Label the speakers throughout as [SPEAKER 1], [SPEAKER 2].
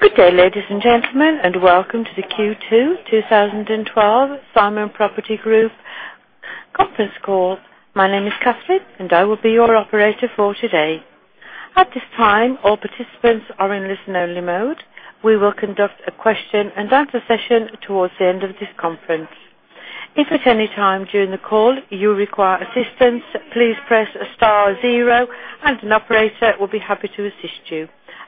[SPEAKER 1] Good day, ladies and gentlemen, and welcome to the Q2 2012 Simon Property Group conference call. My name is Catherine, and I will be your operator for today. At this time, all participants are in listen-only mode. We will conduct a question and answer session towards the end of this conference. If at any time during the call you require assistance, please press star zero and an operator will be happy to assist you.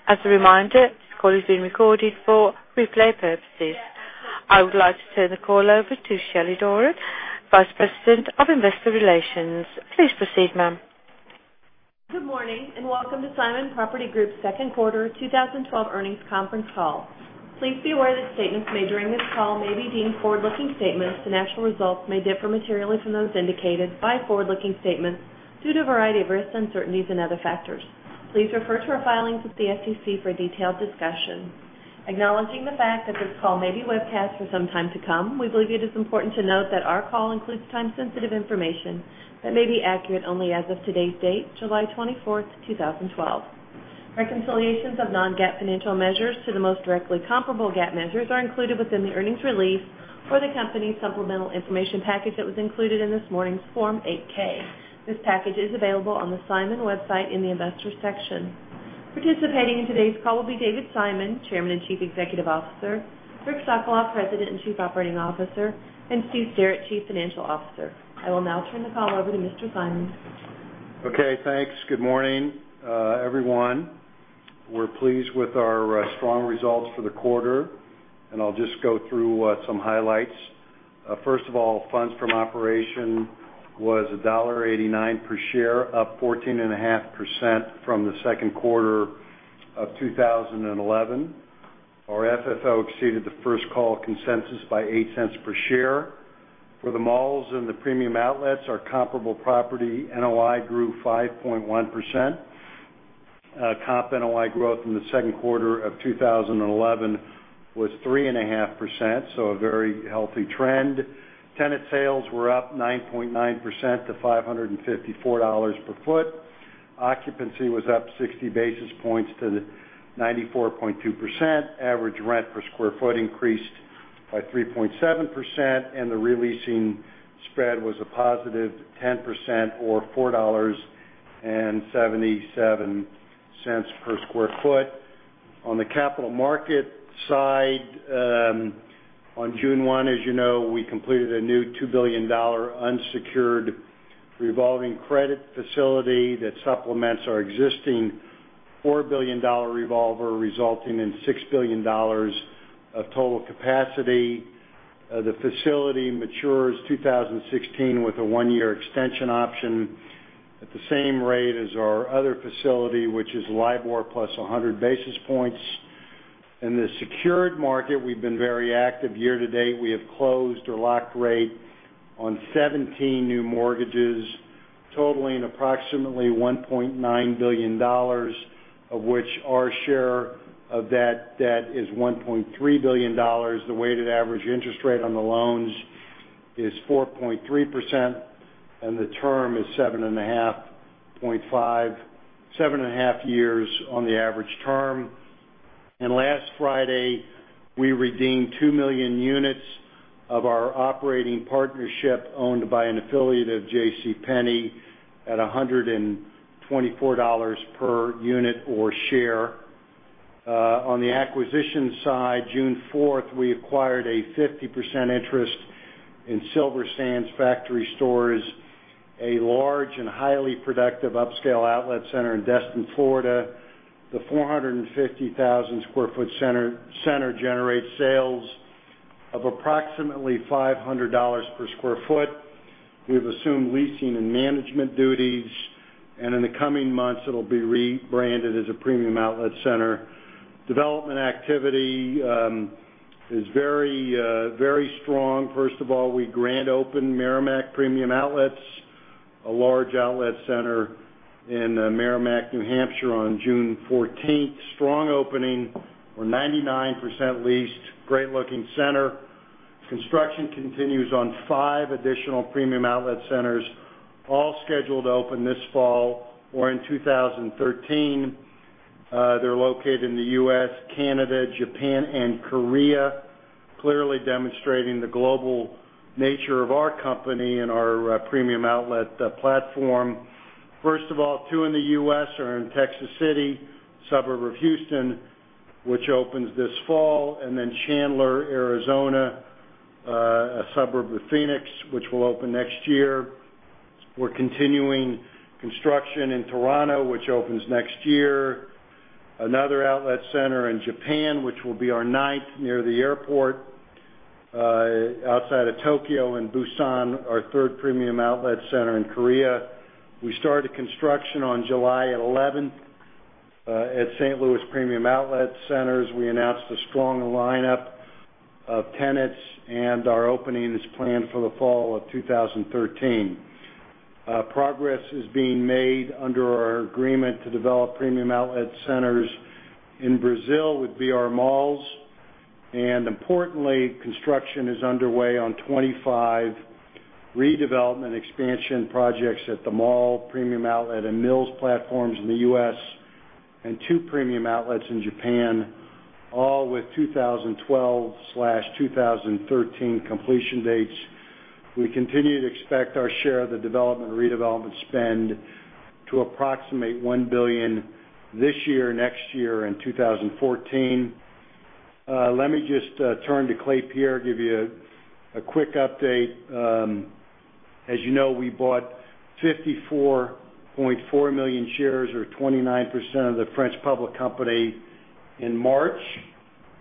[SPEAKER 1] As a reminder, this call is being recorded for replay purposes. I would like to turn the call over to Shelly Doran, Vice President of Investor Relations. Please proceed, ma'am.
[SPEAKER 2] Good morning and welcome to Simon Property Group's second quarter 2012 earnings conference call. Please be aware that statements made during this call may be deemed forward-looking statements and actual results may differ materially from those indicated by forward-looking statements due to a variety of risks, uncertainties, and other factors. Please refer to our filings with the SEC for a detailed discussion. Acknowledging the fact that this call may be webcast for some time to come, we believe it is important to note that our call includes time-sensitive information that may be accurate only as of today's date, July 24th, 2012. Reconciliations of non-GAAP financial measures to the most directly comparable GAAP measures are included within the earnings release or the company's supplemental information package that was included in this morning's Form 8-K. This package is available on the Simon website in the Investors section. Participating in today's call will be David Simon, Chairman and Chief Executive Officer, Rick Sokolov, President and Chief Operating Officer, and Steve Sterrett, Chief Financial Officer. I will now turn the call over to Mr. Simon.
[SPEAKER 3] Okay, thanks. Good morning, everyone. We're pleased with our strong results for the quarter, and I'll just go through some highlights. First of all, funds from operation was $1.89 per share, up 14.5% from the second quarter of 2011. Our FFO exceeded the First Call consensus by $0.08 per share. For the malls and the premium outlets, our comparable property NOI grew 5.1%. Comp NOI growth in the second quarter of 2011 was 3.5%. A very healthy trend. Tenant sales were up 9.9% to $554 per foot. Occupancy was up 60 basis points to 94.2%. Average rent per square foot increased by 3.7%, and the re-leasing spread was a positive 10% or $4.77 per square foot. On the capital market side, on June 1, as you know, we completed a new $2 billion unsecured revolving credit facility that supplements our existing $4 billion revolver, resulting in $6 billion of total capacity. The facility matures 2016 with a one-year extension option at the same rate as our other facility, which is LIBOR plus 100 basis points. In the secured market, we've been very active year to date. We have closed or locked rate on 17 new mortgages totaling approximately $1.9 billion, of which our share of that debt is $1.3 billion. The weighted average interest rate on the loans is 4.3%, and the term is seven and a half years on the average term. Last Friday, we redeemed two million units of our operating partnership owned by an affiliate of J.C. Penney at $124 per unit or share. On the acquisition side, June 4th, we acquired a 50% interest in Silver Sands Factory Stores, a large and highly productive upscale outlet center in Destin, Florida. The 450,000 sq ft center generates sales of approximately $500 per sq ft. We have assumed leasing and management duties. In the coming months it'll be rebranded as a premium outlet center. Development activity is very strong. First of all, we grand opened Merrimack Premium Outlets, a large outlet center in Merrimack, New Hampshire, on June 14th. Strong opening. We're 99% leased. Great looking center. Construction continues on five additional premium outlet centers, all scheduled to open this fall or in 2013. They're located in the U.S., Canada, Japan, and Korea, clearly demonstrating the global nature of our company and our premium outlet platform. First of all, two in the U.S. are in Texas City, a suburb of Houston, which opens this fall. Chandler, Arizona, a suburb of Phoenix, which will open next year. We're continuing construction in Toronto, which opens next year, another outlet center in Japan, which will be our ninth near the airport, outside of Tokyo, and Busan, our third premium outlet center in Korea. We started construction on July 11th at St. Louis Premium Outlet Centers. We announced a strong lineup of tenants, and our opening is planned for the fall of 2013. Progress is being made under our agreement to develop premium outlet centers in Brazil with BR Malls. Importantly, construction is underway on 25 redevelopment expansion projects at the mall, premium outlet, and mills platforms in the U.S., and two premium outlets in Japan, all with 2012/2013 completion dates. We continue to expect our share of the development or redevelopment spend to approximate $1 billion this year, next year, and 2014. Let me just turn to Klépierre, give you a quick update. As you know, we bought 54.4 million shares or 29% of the French public company in March.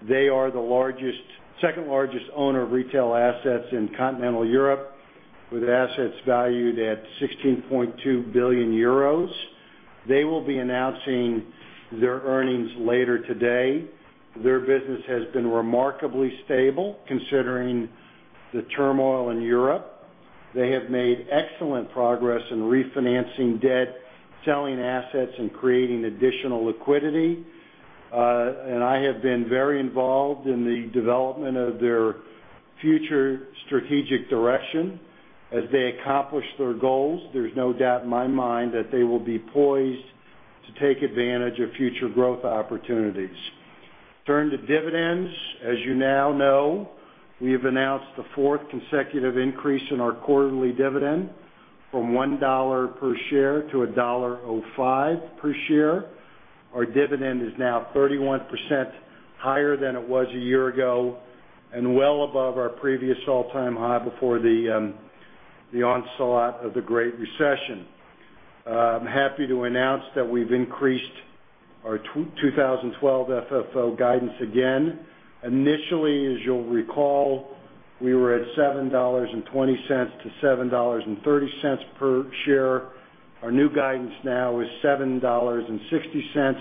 [SPEAKER 3] They are the second-largest owner of retail assets in continental Europe, with assets valued at €16.2 billion. They will be announcing their earnings later today. Their business has been remarkably stable considering the turmoil in Europe. They have made excellent progress in refinancing debt, selling assets, and creating additional liquidity. I have been very involved in the development of their future strategic direction. As they accomplish their goals, there's no doubt in my mind that they will be poised to take advantage of future growth opportunities. Turn to dividends. As you now know, we have announced the fourth consecutive increase in our quarterly dividend from $1 per share to $1.05 per share. Our dividend is now 31% higher than it was a year ago and well above our previous all-time high before the onslaught of the Great Recession. I'm happy to announce that we've increased our 2012 FFO guidance again. Initially, as you'll recall, we were at $7.20 to $7.30 per share. Our new guidance now is $7.60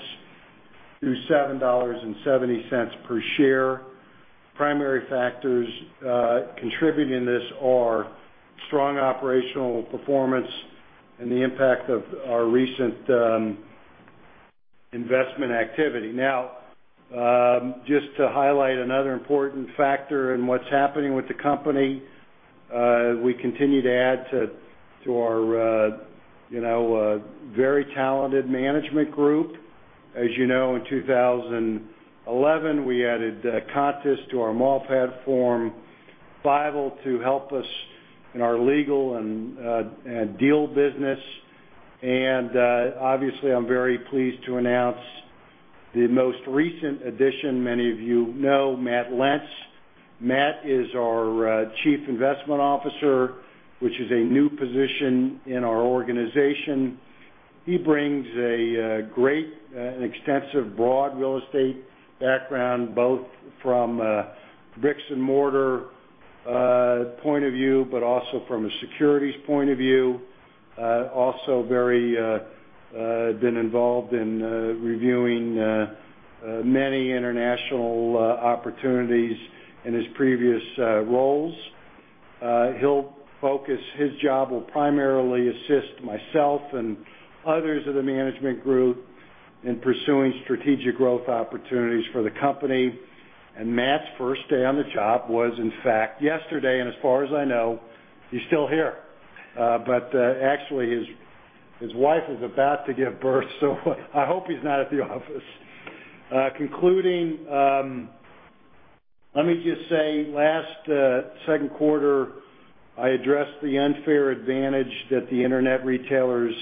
[SPEAKER 3] through $7.70 per share. Primary factors contributing to this are strong operational performance and the impact of our recent investment activity. Just to highlight another important factor in what's happening with the company, we continue to add to our very talented management group. As you know, in 2011, we added Contis to our mall platform, Feible to help us in our legal and deal business. I'm very pleased to announce the most recent addition many of you know, Matt Lentz. Matt is our Chief Investment Officer, which is a new position in our organization. He brings a great and extensive broad real estate background, both from a bricks and mortar point of view, but also from a securities point of view. Has been involved in reviewing many international opportunities in his previous roles. His job will primarily assist myself and others of the management group in pursuing strategic growth opportunities for the company. Matt's first day on the job was, in fact, yesterday, and as far as I know, he's still here. His wife is about to give birth, so I hope he's not at the office. Concluding, let me just say last second quarter, I addressed the unfair advantage that the internet retailers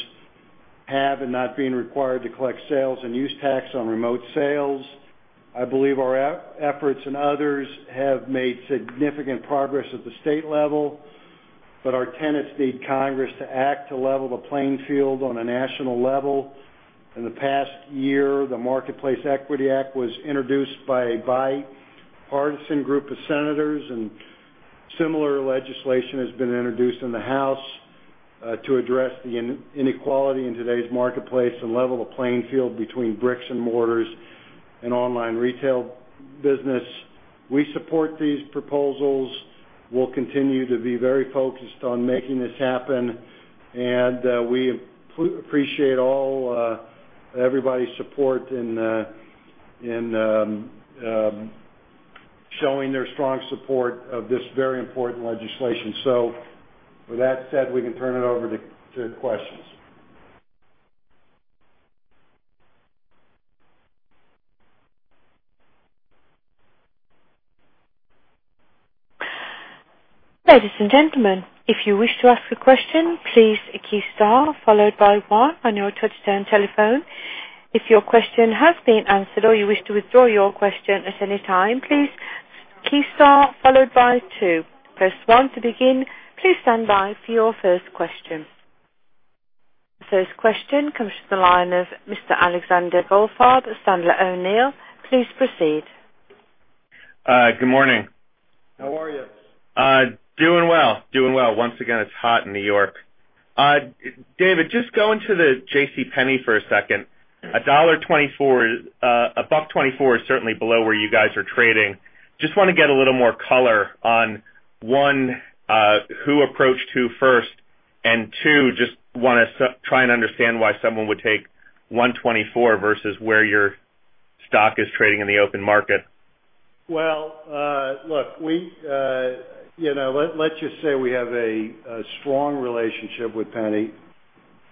[SPEAKER 3] have in not being required to collect sales and use tax on remote sales. I believe our efforts and others have made significant progress at the state level, but our tenants need Congress to act to level the playing field on a national level. In the past year, the Marketplace Equity Act was introduced by a bipartisan group of senators, and similar legislation has been introduced in the House to address the inequality in today's marketplace and level the playing field between bricks and mortars and online retail business. We support these proposals. We'll continue to be very focused on making this happen, and we appreciate everybody's support in showing their strong support of this very important legislation. With that said, we can turn it over to questions.
[SPEAKER 1] Ladies and gentlemen, if you wish to ask a question, please key star followed by one on your touchtone telephone. If your question has been answered or you wish to withdraw your question at any time, please key star followed by two. Press one to begin. Please stand by for your first question. First question comes from the line of Mr. Alexander Goldfarb of Sandler O'Neill. Please proceed.
[SPEAKER 4] Good morning.
[SPEAKER 3] How are you?
[SPEAKER 4] Doing well. Once again, it's hot in N.Y. David, just going to the J.C. Penney for a second. $1.24, $1.24 is certainly below where you guys are trading. Just want to get a little more color on, one, who approached who first. Two, just want to try and understand why someone would take $1.24 versus where your stock is trading in the open market.
[SPEAKER 3] Well, look, let's just say we have a strong relationship with Penney.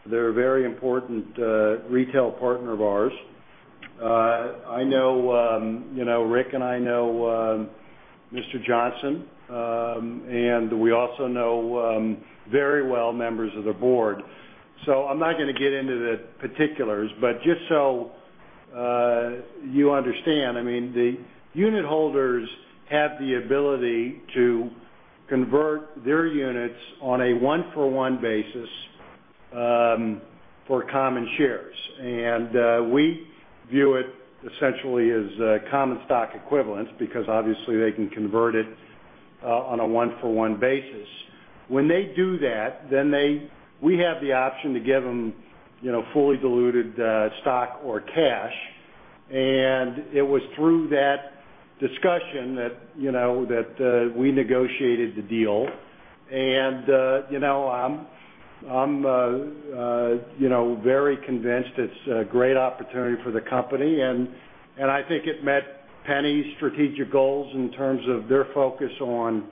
[SPEAKER 3] They're a very important retail partner of ours. Rick and I know Mr. Johnson, and we also know very well members of the board. I'm not going to get into the particulars, but just so you understand, the unitholders have the ability to convert their units on a one-for-one basis for common shares. We view it essentially as common stock equivalents, because obviously they can convert it on a one-for-one basis. When they do that, then we have the option to give them fully diluted stock or cash. It was through that discussion that we negotiated the deal. I'm very convinced it's a great opportunity for the company, and I think it met Penney's strategic goals in terms of their focus on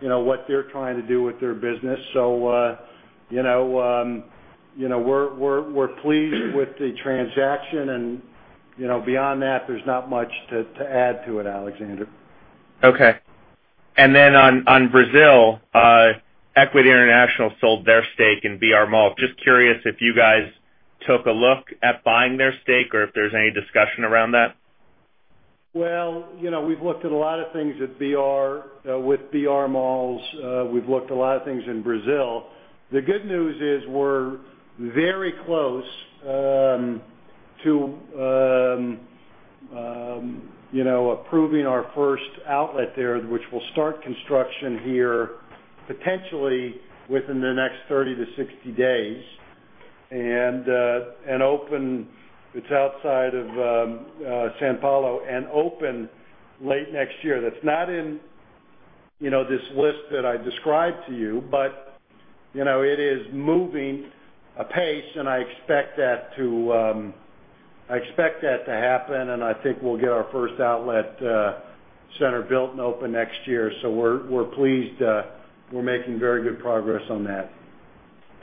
[SPEAKER 3] what they're trying to do with their business. We're pleased with the transaction, and beyond that, there's not much to add to it, Alexander.
[SPEAKER 4] Okay. On Brazil, Equity International sold their stake in BR Malls. Just curious if you guys took a look at buying their stake or if there's any discussion around that.
[SPEAKER 3] We've looked at a lot of things with BR Malls. We've looked a lot of things in Brazil. The good news is we're very close to approving our first outlet there, which will start construction here potentially within the next 30 to 60 days. Open, it's outside of São Paulo, and open late next year. That's not in this list that I described to you, but it is moving apace and I expect that to happen, and I think we'll get our first outlet center built and open next year. We're pleased. We're making very good progress on that.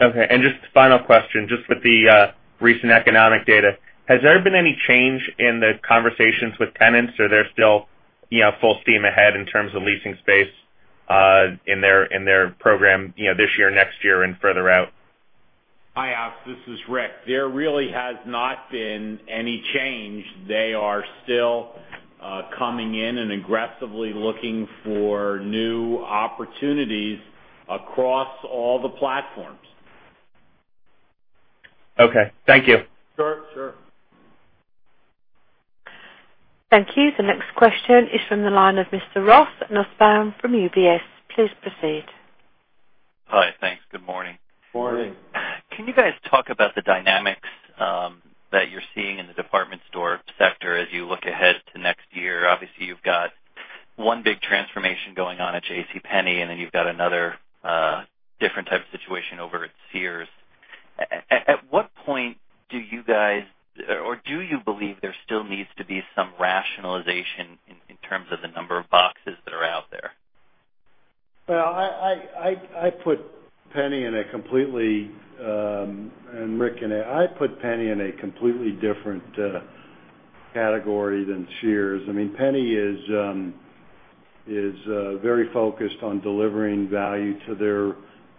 [SPEAKER 4] Okay. Just final question, just with the recent economic data, has there been any change in the conversations with tenants, or are they still full steam ahead in terms of leasing space in their program this year, next year, and further out?
[SPEAKER 5] Hi, Alex, this is Rick. There really has not been any change. They are still coming in and aggressively looking for new opportunities across all the platforms.
[SPEAKER 4] Okay. Thank you.
[SPEAKER 3] Sure.
[SPEAKER 1] Thank you. The next question is from the line of Mr. Ross Nussbaum from UBS. Please proceed.
[SPEAKER 6] Hi. Thanks. Good morning.
[SPEAKER 3] Morning.
[SPEAKER 6] Can you guys talk about the dynamics that you're seeing in the department store sector as you look ahead to next year? Obviously, you've got one big transformation going on at J.C. Penney, then you've got another different type of situation over at Sears. At what point do you guys, or do you believe there still needs to be some rationalization in terms of the number of boxes that are out there?
[SPEAKER 3] Well, Rick and I put Penney in a completely different category than Sears. Penney is very focused on delivering value to their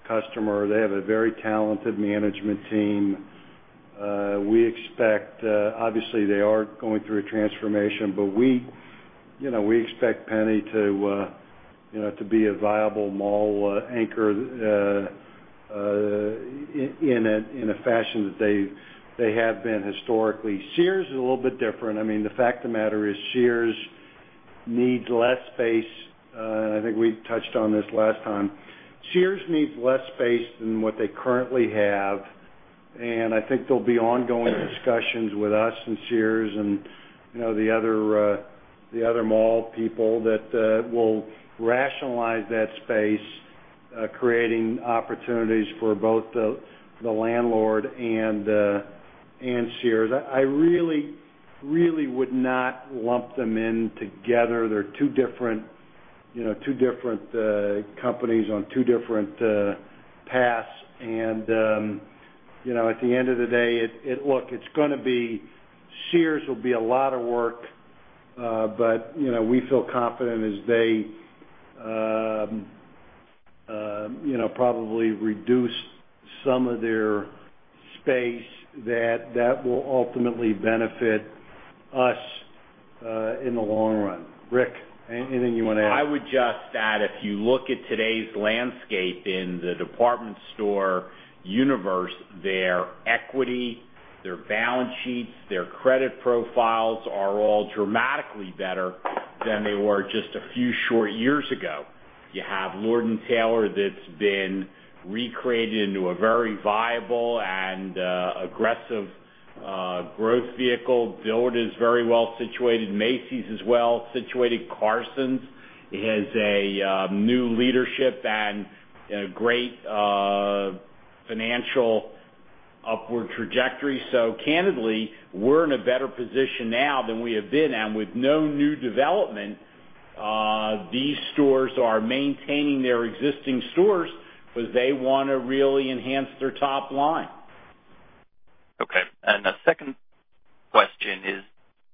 [SPEAKER 3] customer. They have a very talented management team. Obviously, they are going through a transformation, but we expect Penney to be a viable mall anchor in a fashion that they have been historically. Sears is a little bit different. The fact of the matter is Sears needs less space. I think we touched on this last time. Sears needs less space than what they currently have, and I think there'll be ongoing discussions with us and Sears and the other mall people that will rationalize that space, creating opportunities for both the landlord and Sears. I really would not lump them in together. They're two different companies on two different paths. At the end of the day, look, Sears will be a lot of work, but we feel confident as they probably reduce some of their space, that that will ultimately benefit us in the long run. Rick, anything you want to add?
[SPEAKER 5] I would just add, if you look at today's landscape in the department store universe, their equity, their balance sheets, their credit profiles are all dramatically better than they were just a few short years ago. You have Lord & Taylor that's been recreated into a very viable and aggressive
[SPEAKER 3] A growth vehicle. Belk is very well situated. Macy's is well situated. Carson's has a new leadership and a great financial upward trajectory. Candidly, we're in a better position now than we have been, and with no new development, these stores are maintaining their existing stores because they want to really enhance their top line.
[SPEAKER 6] Okay. The second question is,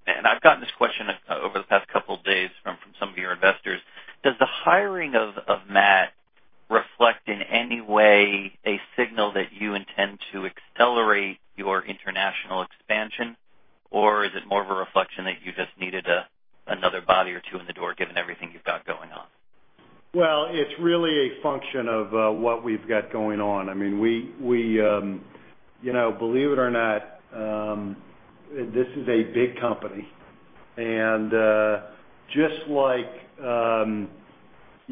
[SPEAKER 6] I've gotten this question over the past couple of days from some of your investors. Does the hiring of Matt reflect in any way a signal that you intend to accelerate your international expansion? Or is it more of a reflection that you just needed another body or two in the door, given everything you've got going on?
[SPEAKER 3] Well, it's really a function of what we've got going on. Believe it or not, this is a big company, and just like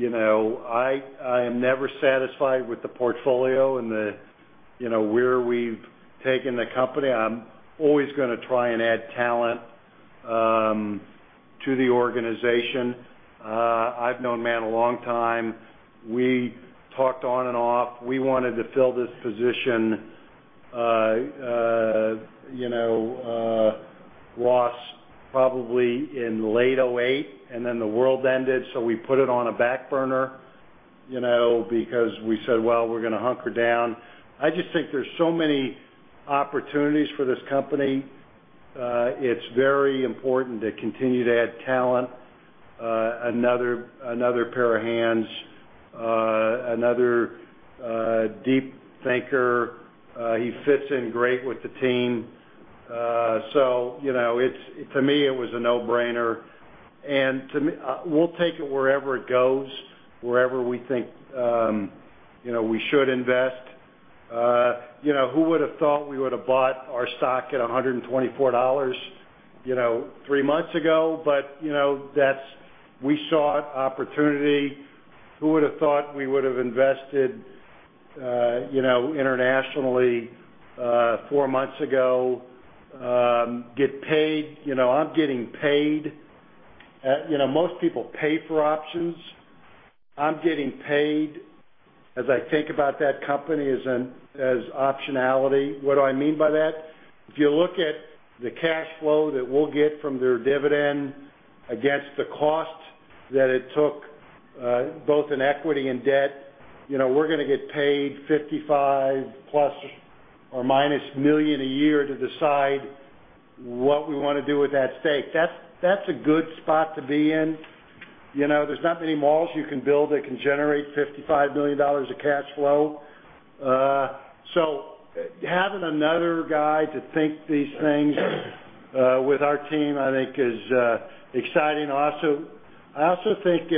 [SPEAKER 3] I am never satisfied with the portfolio and where we've taken the company, I'm always going to try and add talent to the organization. I've known Matt a long time. We talked on and off. We wanted to fill this position lot probably in late 2008, the world ended, we put it on a back burner because we said, "Well, we're going to hunker down." I just think there's so many opportunities for this company. It's very important to continue to add talent, another pair of hands, another deep thinker. He fits in great with the team. To me, it was a no-brainer. We'll take it wherever it goes, wherever we think we should invest. Who would have thought we would have bought our stock at $124 three months ago? We saw an opportunity. Who would have thought we would have invested internationally four months ago? Get paid. I'm getting paid. Most people pay for options. I'm getting paid. As I think about that company as optionality, what do I mean by that? If you look at the cash flow that we'll get from their dividend against the cost that it took, both in equity and debt, we're going to get paid $55 ± million a year to decide what we want to do with that stake. That's a good spot to be in. There's not many malls you can build that can generate $55 million of cash flow. Having another guy to think these things with our team, I think is exciting. I also think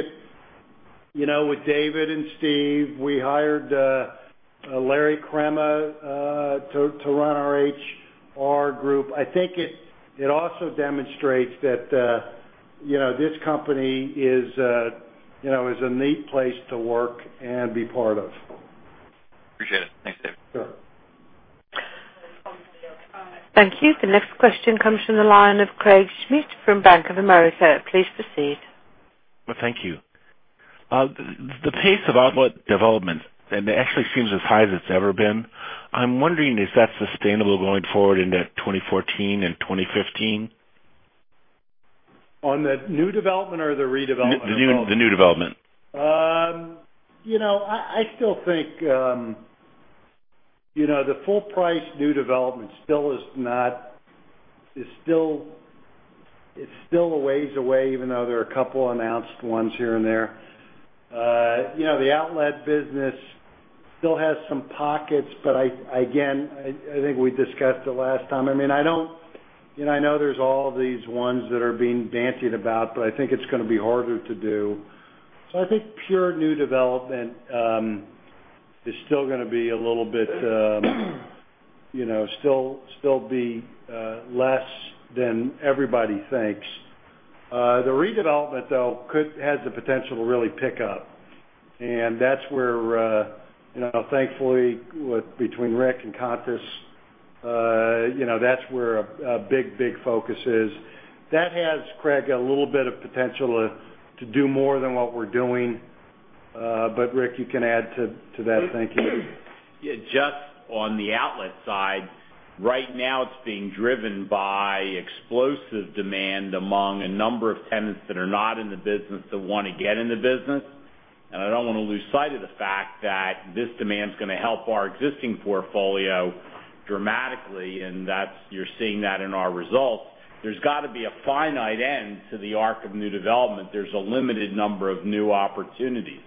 [SPEAKER 3] with David and Steve, we hired Larry Crema to run our HR group. I think it also demonstrates that this company is a neat place to work and be part of.
[SPEAKER 6] Appreciate it. Thanks, David.
[SPEAKER 3] Sure.
[SPEAKER 1] Thank you. The next question comes from the line of Craig Schmidt from Bank of America. Please proceed.
[SPEAKER 7] Well, thank you. The pace of outlet development actually seems as high as it's ever been. I'm wondering, is that sustainable going forward into 2014 and 2015?
[SPEAKER 3] On the new development or the redevelopment development?
[SPEAKER 7] The new development.
[SPEAKER 3] I still think the full price new development it's still a ways away, even though there are a couple announced ones here and there. The outlet business still has some pockets, but again, I think we discussed it last time. I know there's all these ones that are being bandied about, but I think it's going to be harder to do. I think pure new development is still going to be less than everybody thinks. The redevelopment, though, has the potential to really pick up. That's where, thankfully, between Rick and Contis, that's where a big focus is. That has, Craig, a little bit of potential to do more than what we're doing. Rick, you can add to that, thank you.
[SPEAKER 5] Just on the outlet side, right now it's being driven by explosive demand among a number of tenants that are not in the business that want to get in the business. I don't want to lose sight of the fact that this demand is going to help our existing portfolio dramatically, and you're seeing that in our results. There's got to be a finite end to the arc of new development. There's a limited number of new opportunities.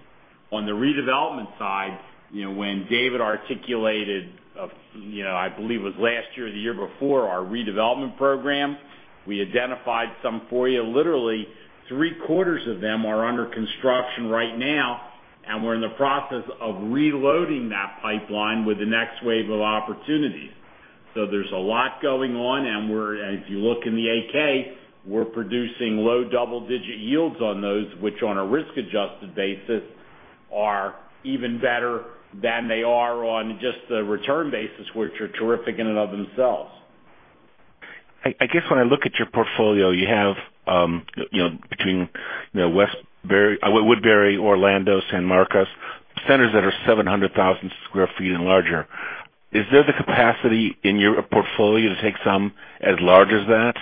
[SPEAKER 5] On the redevelopment side, when David articulated, I believe it was last year or the year before, our redevelopment program, we identified some for you. Literally three-quarters of them are under construction right now, and we're in the process of reloading that pipeline with the next wave of opportunities. There's a lot going on, and if you look in the 8-K, we're producing low double-digit yields on those, which on a risk-adjusted basis
[SPEAKER 8] Are even better than they are on just the return basis, which are terrific in and of themselves.
[SPEAKER 7] I guess when I look at your portfolio, you have, between Woodbury, Orlando, San Marcos, centers that are 700,000 sq ft and larger. Is there the capacity in your portfolio to take some as large as that?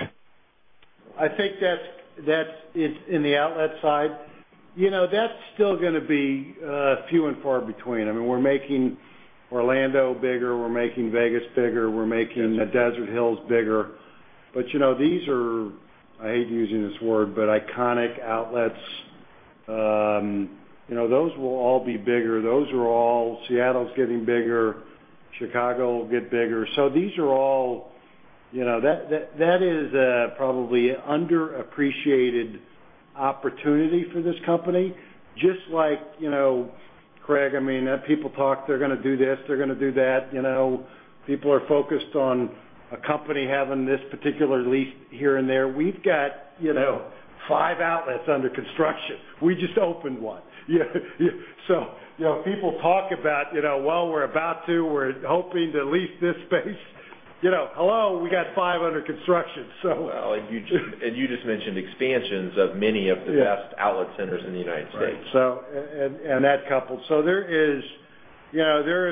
[SPEAKER 3] I think that's in the outlet side. That's still going to be few and far between. I mean, we're making Orlando bigger, we're making Vegas bigger, we're making
[SPEAKER 7] Yes
[SPEAKER 3] Desert Hills bigger. These are, I hate using this word, but iconic outlets. Those will all be bigger. Seattle's getting bigger. Chicago will get bigger. That is probably underappreciated opportunity for this company. Just like, Craig, I mean, people talk, they're going to do this, they're going to do that. People are focused on a company having this particular lease here and there. We've got five outlets under construction. We just opened one. People talk about, "Well, we're hoping to lease this space." Hello, we got five under construction, so.
[SPEAKER 8] You just mentioned expansions of many of the best-
[SPEAKER 3] Yeah
[SPEAKER 8] outlet centers in the U.S.
[SPEAKER 3] Right. That coupled. There is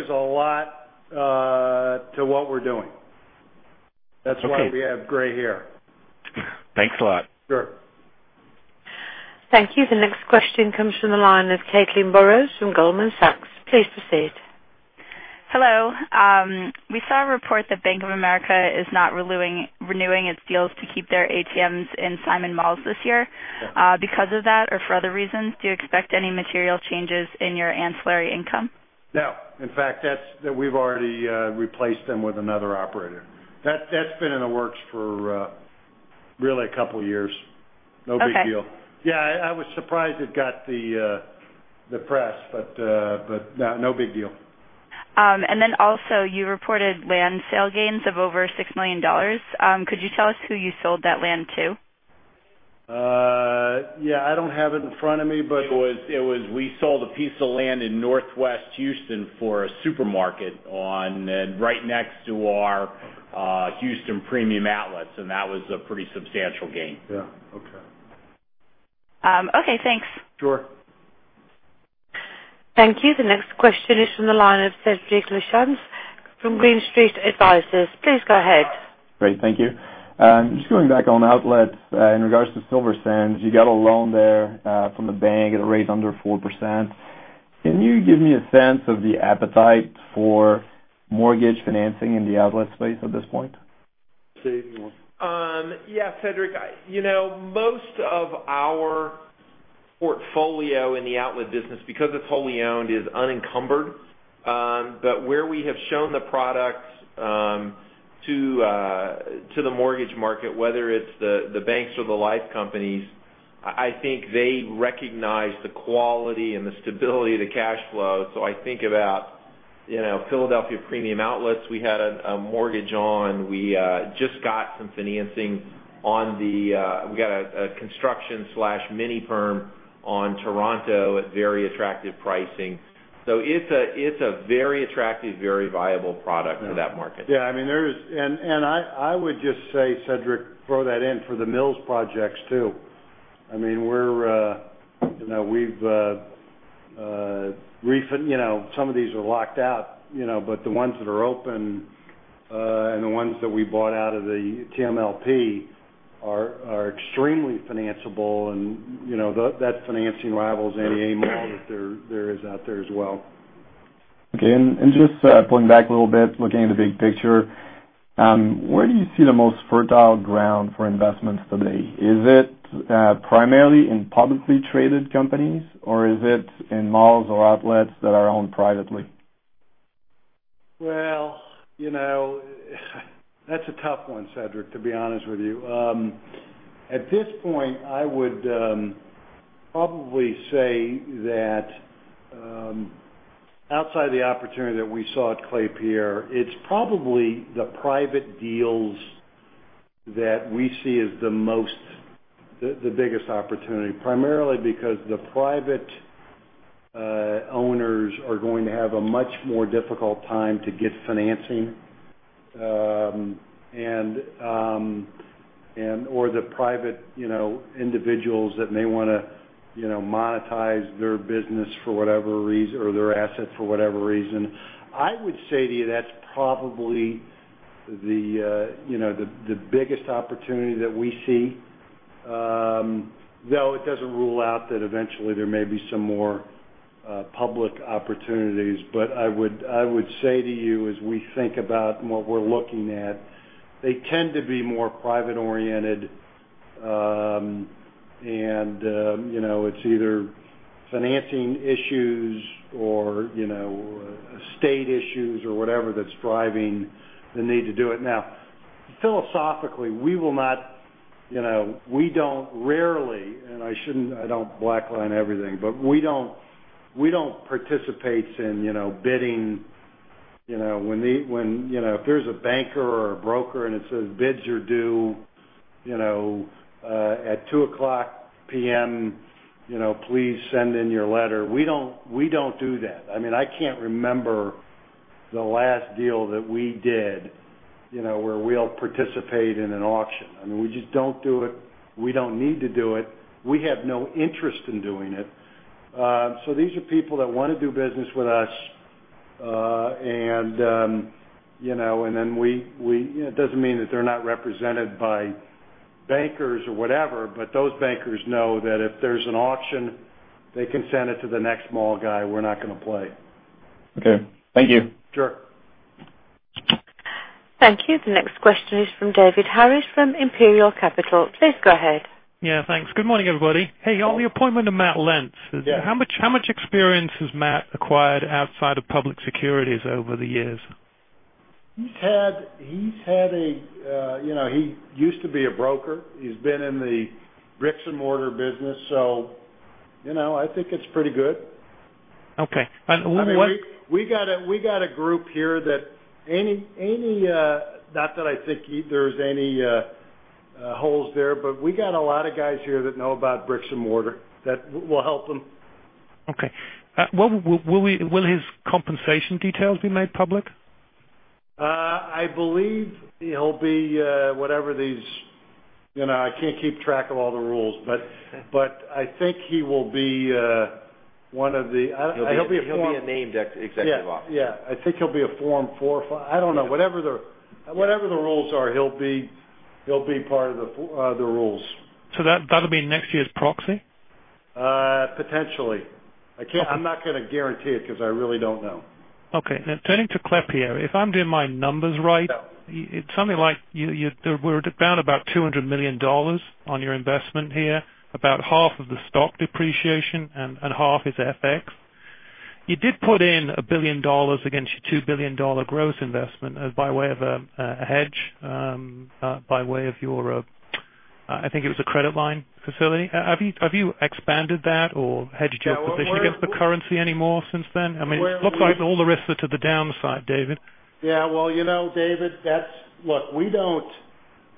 [SPEAKER 3] a lot to what we're doing.
[SPEAKER 7] Okay.
[SPEAKER 3] That's why we have gray hair.
[SPEAKER 7] Thanks a lot.
[SPEAKER 3] Sure.
[SPEAKER 1] Thank you. The next question comes from the line of Caitlin Burrows from Goldman Sachs. Please proceed.
[SPEAKER 9] Hello. We saw a report that Bank of America is not renewing its deals to keep their ATMs in Simon Malls this year.
[SPEAKER 3] Yeah.
[SPEAKER 9] Because of that or for other reasons, do you expect any material changes in your ancillary income?
[SPEAKER 3] No. In fact, we've already replaced them with another operator. That's been in the works for really a couple of years.
[SPEAKER 9] Okay.
[SPEAKER 3] No big deal. Yeah, I was surprised it got the press, no big deal.
[SPEAKER 9] Also, you reported land sale gains of over $6 million. Could you tell us who you sold that land to?
[SPEAKER 3] Yeah, I don't have it in front of me.
[SPEAKER 8] It was we sold a piece of land in Northwest Houston for a supermarket right next to our Houston Premium Outlets, and that was a pretty substantial gain.
[SPEAKER 3] Yeah. Okay.
[SPEAKER 9] Okay. Thanks.
[SPEAKER 3] Sure.
[SPEAKER 1] Thank you. The next question is from the line of Cedrik Lachance from Green Street Advisors. Please go ahead.
[SPEAKER 10] Great. Thank you. Just going back on outlets, in regards to Silver Sands, you got a loan there from the bank at a rate under 4%. Can you give me a sense of the appetite for mortgage financing in the outlet space at this point?
[SPEAKER 3] Cedrik.
[SPEAKER 8] Yeah, Cedrik. Most of our portfolio in the outlet business, because it's wholly owned, is unencumbered. Where we have shown the products to the mortgage market, whether it's the banks or the life companies, I think they recognize the quality and the stability of the cash flow. I think about Philadelphia Premium Outlets, we had a mortgage on, we just got some financing. We got a construction/mini-perm on Toronto at very attractive pricing. It's a very attractive, very viable product for that market.
[SPEAKER 3] I would just say, Cedrik, throw that in for the Mills projects, too. Some of these are locked out, but the ones that are open, and the ones that we bought out of the TMLP are extremely financeable, and that financing rivals any A mall that there is out there as well.
[SPEAKER 10] Okay. Just pulling back a little bit, looking at the big picture, where do you see the most fertile ground for investments today? Is it primarily in publicly traded companies, or is it in malls or outlets that are owned privately?
[SPEAKER 3] Well, that's a tough one, Cedrik, to be honest with you. At this point, I would probably say that outside the opportunity that we saw at Klépierre, it's probably the private deals that we see as the biggest opportunity, primarily because the private owners are going to have a much more difficult time to get financing. The private individuals that may want to monetize their business for whatever reason, or their asset for whatever reason. I would say to you, that's probably the biggest opportunity that we see. Though it doesn't rule out that eventually there may be some more public opportunities. I would say to you, as we think about what we're looking at, they tend to be more private-oriented. It's either financing issues or estate issues or whatever that's driving the need to do it. Now, philosophically, we don't rarely, and I don't blackline everything, but we don't participate in bidding If there's a banker or a broker and it says bids are due at 2:00 P.M., please send in your letter. We don't do that. I can't remember the last deal that we did, where we all participate in an auction. We just don't do it. We don't need to do it. We have no interest in doing it. These are people that want to do business with us, it doesn't mean that they're not represented by bankers or whatever, but those bankers know that if there's an auction, they can send it to the next mall guy. We're not going to play.
[SPEAKER 10] Okay. Thank you.
[SPEAKER 3] Sure.
[SPEAKER 1] Thank you. The next question is from David Harris from Imperial Capital. Please go ahead.
[SPEAKER 11] Yeah, thanks. Good morning, everybody. Hey, on the appointment of Matthew Lentz.
[SPEAKER 3] Yeah.
[SPEAKER 11] How much experience has Matt acquired outside of public securities over the years?
[SPEAKER 3] He used to be a broker. He's been in the bricks and mortar business, so I think it's pretty good.
[SPEAKER 11] Okay. what-
[SPEAKER 3] We got a group here not that I think there's any holes there, but we got a lot of guys here that know about bricks and mortar that will help him.
[SPEAKER 11] Okay. Will his compensation details be made public?
[SPEAKER 3] I believe he'll be, whatever these I can't keep track of all the rules, I think he will be.
[SPEAKER 8] He'll be a named executive officer.
[SPEAKER 3] Yeah. I think he'll be a form four or five. I don't know. Whatever the rules are, he'll be part of the rules.
[SPEAKER 11] That'll be next year's proxy?
[SPEAKER 3] Potentially. I'm not going to guarantee it because I really don't know.
[SPEAKER 11] Okay. Turning to Klépierre, if I'm doing my numbers right.
[SPEAKER 3] Yeah
[SPEAKER 11] It's something like, you were down about $200 million on your investment here, about half of the stock depreciation and half is FX. You did put in $1 billion against your $2 billion gross investment by way of a hedge, by way of your, I think it was a credit line facility. Have you expanded that or hedged your position against the currency anymore since then? It looks like all the risks are to the downside, David.
[SPEAKER 3] Yeah. Well, David, look,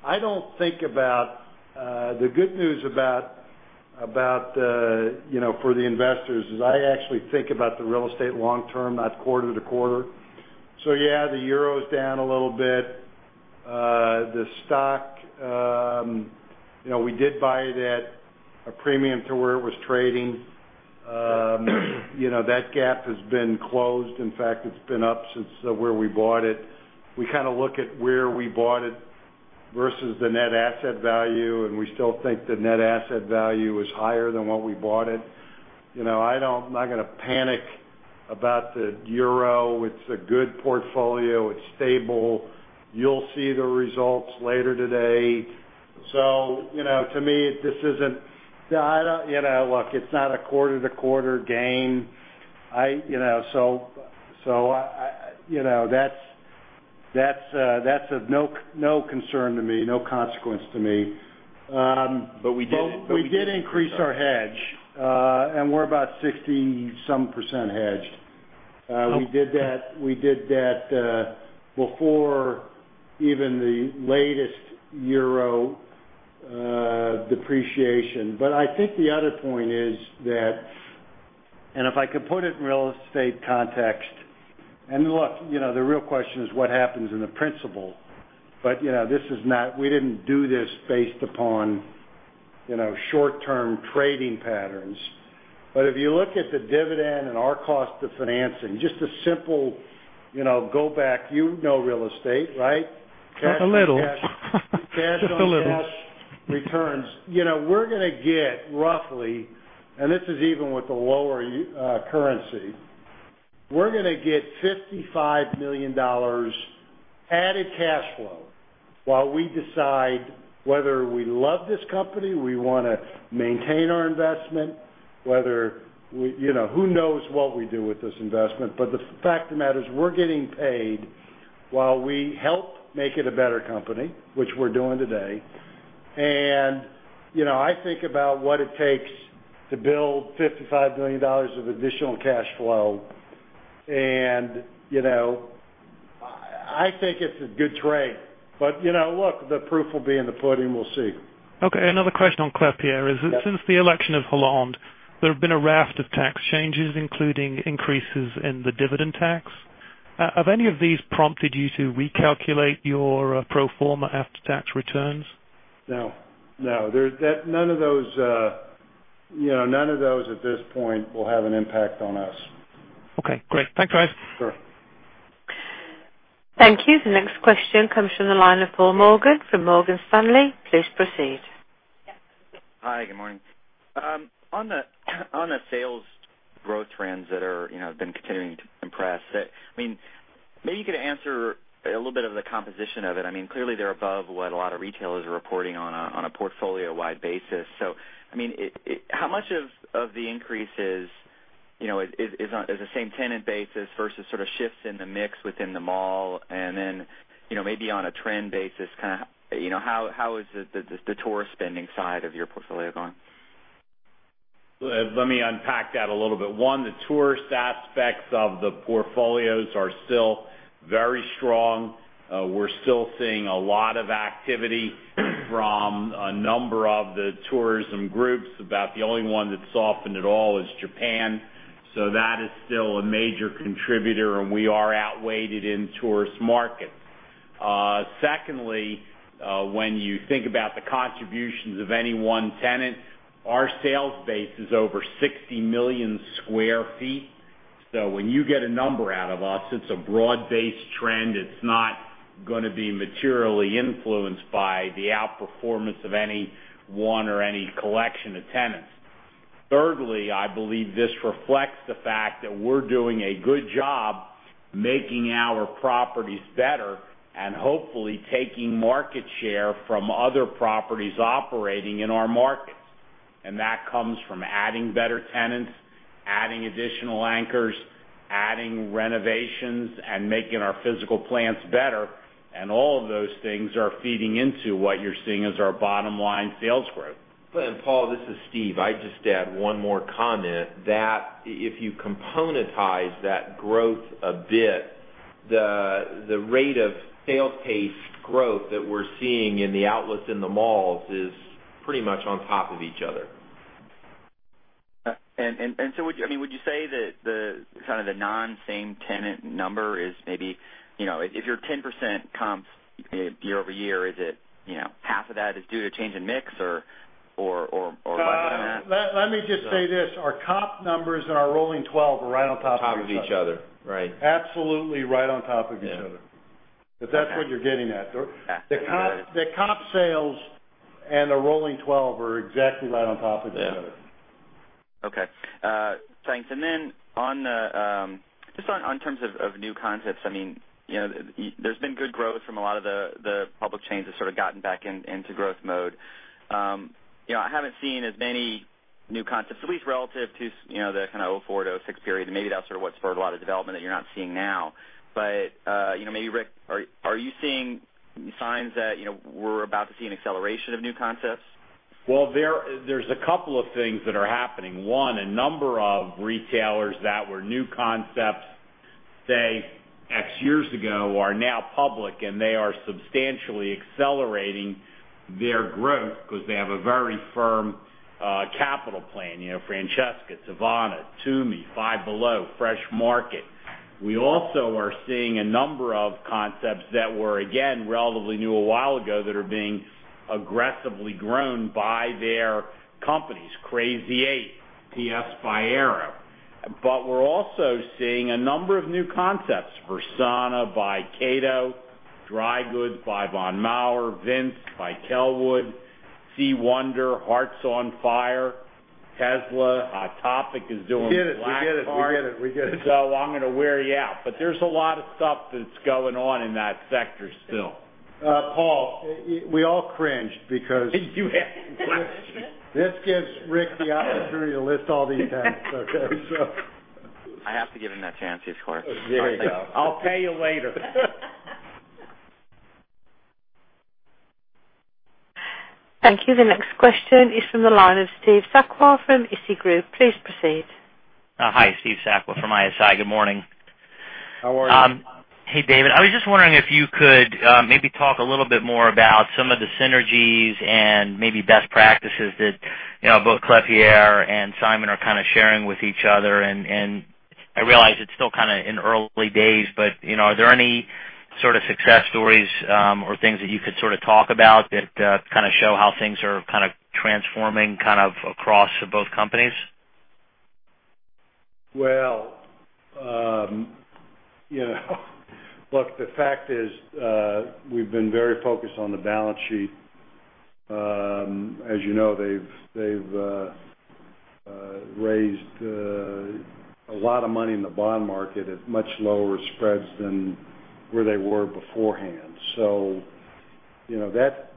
[SPEAKER 3] I don't think about the good news for the investors, is I actually think about the real estate long term, not quarter-to-quarter. Yeah, the euro's down a little bit. The stock, we did buy it at a premium to where it was trading. That gap has been closed. In fact, it's been up since where we bought it. We kind of look at where we bought it versus the net asset value, and we still think the net asset value is higher than what we bought it. I'm not going to panic about the euro. It's a good portfolio. It's stable. You'll see the results later today. To me, look, it's not a quarter-to-quarter gain. That's of no concern to me, no consequence to me.
[SPEAKER 8] We did increase our
[SPEAKER 3] We did increase our hedge. We're about 60 some % hedged. We did that before even the latest EUR depreciation. I think the other point is that, if I could put it in real estate context, look, the real question is what happens in the principal. We didn't do this based upon short-term trading patterns. If you look at the dividend and our cost to financing, just a simple go back. You know real estate, right?
[SPEAKER 11] A little. Just a little.
[SPEAKER 3] Cash on cash returns. We're going to get roughly, this is even with the lower currency, we're going to get $55 million added cash flow while we decide whether we love this company, we want to maintain our investment. Who knows what we do with this investment. The fact of the matter is, we're getting paid while we help make it a better company, which we're doing today. I think about what it takes to build $55 million of additional cash flow, and I think it's a good trade. Look, the proof will be in the pudding. We'll see.
[SPEAKER 11] Okay, another question on Klépierre.
[SPEAKER 3] Yeah.
[SPEAKER 11] Since the election of Hollande, there have been a raft of tax changes, including increases in the dividend tax. Have any of these prompted you to recalculate your pro forma after-tax returns?
[SPEAKER 3] No. None of those at this point will have an impact on us.
[SPEAKER 11] Okay, great. Thanks, guys.
[SPEAKER 3] Sure.
[SPEAKER 1] Thank you. The next question comes from the line of Paul Morgan from Morgan Stanley. Please proceed.
[SPEAKER 12] Hi, good morning. On the sales growth trends that have been continuing to impress, maybe you could answer a little bit of the composition of it. Clearly, they're above what a lot of retailers are reporting on a portfolio-wide basis. How much of the increase is on the same tenant basis versus sort of shifts in the mix within the mall? Maybe on a trend basis, how is the tourist spending side of your portfolio going?
[SPEAKER 5] Let me unpack that a little bit. One, the tourist aspects of the portfolios are still very strong. We're still seeing a lot of activity from a number of the tourism groups. About the only one that softened at all is Japan. That is still a major contributor, and we are overweighted in tourist markets. Secondly, when you think about the contributions of any one tenant, our sales base is over 60 million sq ft. When you get a number out of us, it's a broad-based trend. It's not going to be materially influenced by the outperformance of any one or any collection of tenants. Thirdly, I believe this reflects the fact that we're doing a good job making our properties better and hopefully taking market share from other properties operating in our markets. That comes from adding better tenants, adding additional anchors, adding renovations, and making our physical plants better. All of those things are feeding into what you're seeing as our bottom-line sales growth.
[SPEAKER 8] Paul, this is Steve. I'd just add one more comment, that if you componentize that growth a bit, the rate of sales pace growth that we're seeing in the outlets in the malls is pretty much on top of each other.
[SPEAKER 12] Would you say that the non-same tenant number is maybe, if your 10% comps year-over-year, is it half of that is due to change in mix or less than that?
[SPEAKER 3] Let me just say this. Our comp numbers and our rolling 12 are right on top of each other.
[SPEAKER 12] On top of each other. Right.
[SPEAKER 3] Absolutely right on top of each other.
[SPEAKER 12] Yeah.
[SPEAKER 3] If that's what you're getting at.
[SPEAKER 12] Yeah.
[SPEAKER 3] The comp sales and the rolling 12 are exactly right on top of each other.
[SPEAKER 12] Yeah. Okay. Thanks. Then, just on terms of new concepts, there's been good growth from a lot of the public chains that sort of gotten back into growth mode. I haven't seen as many new concepts, at least relative to the kind of 2004 to 2006 period, Maybe that's sort of what spurred a lot of development that you're not seeing now. Maybe Rick, are you seeing signs that we're about to see an acceleration of new concepts?
[SPEAKER 5] Well, there's a couple of things that are happening. One, a number of retailers that were new concepts, say X years ago, are now public, and they are substantially accelerating their growth because they have a very firm capital plan. Francesca's, Teavana, Tumi, Five Below, Fresh Market. We also are seeing a number of concepts that were, again, relatively new a while ago, that are being aggressively grown by their companies, Crazy 8, P.S. by Aéropostale. We're also seeing a number of new concepts, Versona by Cato, Dry Goods by Von Maur, Vince by Kellwood, C. Wonder, Hearts On Fire, Tesla. Topic is doing Blackheart.
[SPEAKER 3] We get it. We get it. We get it.
[SPEAKER 5] I'm going to wear you out. There's a lot of stuff that's going on in that sector still.
[SPEAKER 3] Paul, we all cringed because-
[SPEAKER 12] You do
[SPEAKER 3] This gives Rick the opportunity to list all these tenants, okay, so.
[SPEAKER 12] I have to give him that chance. He's correct.
[SPEAKER 5] There you go. I'll pay you later.
[SPEAKER 1] Thank you. The next question is from the line of Steve Sakwa from ISI Group. Please proceed.
[SPEAKER 13] Hi, Steve Sakwa from ISI. Good morning.
[SPEAKER 3] How are you?
[SPEAKER 13] Hey, David. I was just wondering if you could maybe talk a little bit more about some of the synergies and maybe best practices that both Klépierre and Simon are kind of sharing with each other. I realize it's still kind of in early days, but are there any sort of success stories or things that you could sort of talk about that kind of show how things are kind of transforming, kind of across both companies?
[SPEAKER 3] Well, look, the fact is, we've been very focused on the balance sheet. As you know, they've raised a lot of money in the bond market at much lower spreads than where they were beforehand.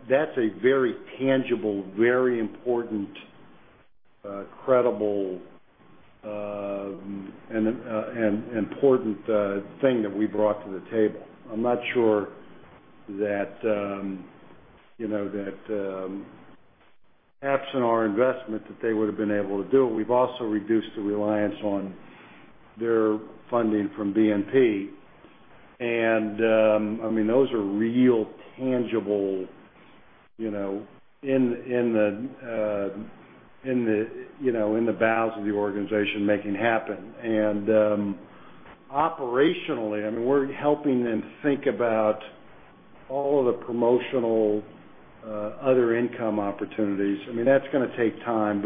[SPEAKER 3] That's a very tangible, very important, credible, and important thing that we brought to the table. I'm not sure that, absent our investment, that they would have been able to do it. We've also reduced the reliance on their funding from BNP. Those are real tangible in the bowels of the organization making happen. Operationally, we're helping them think about all of the promotional other income opportunities. That's going to take time.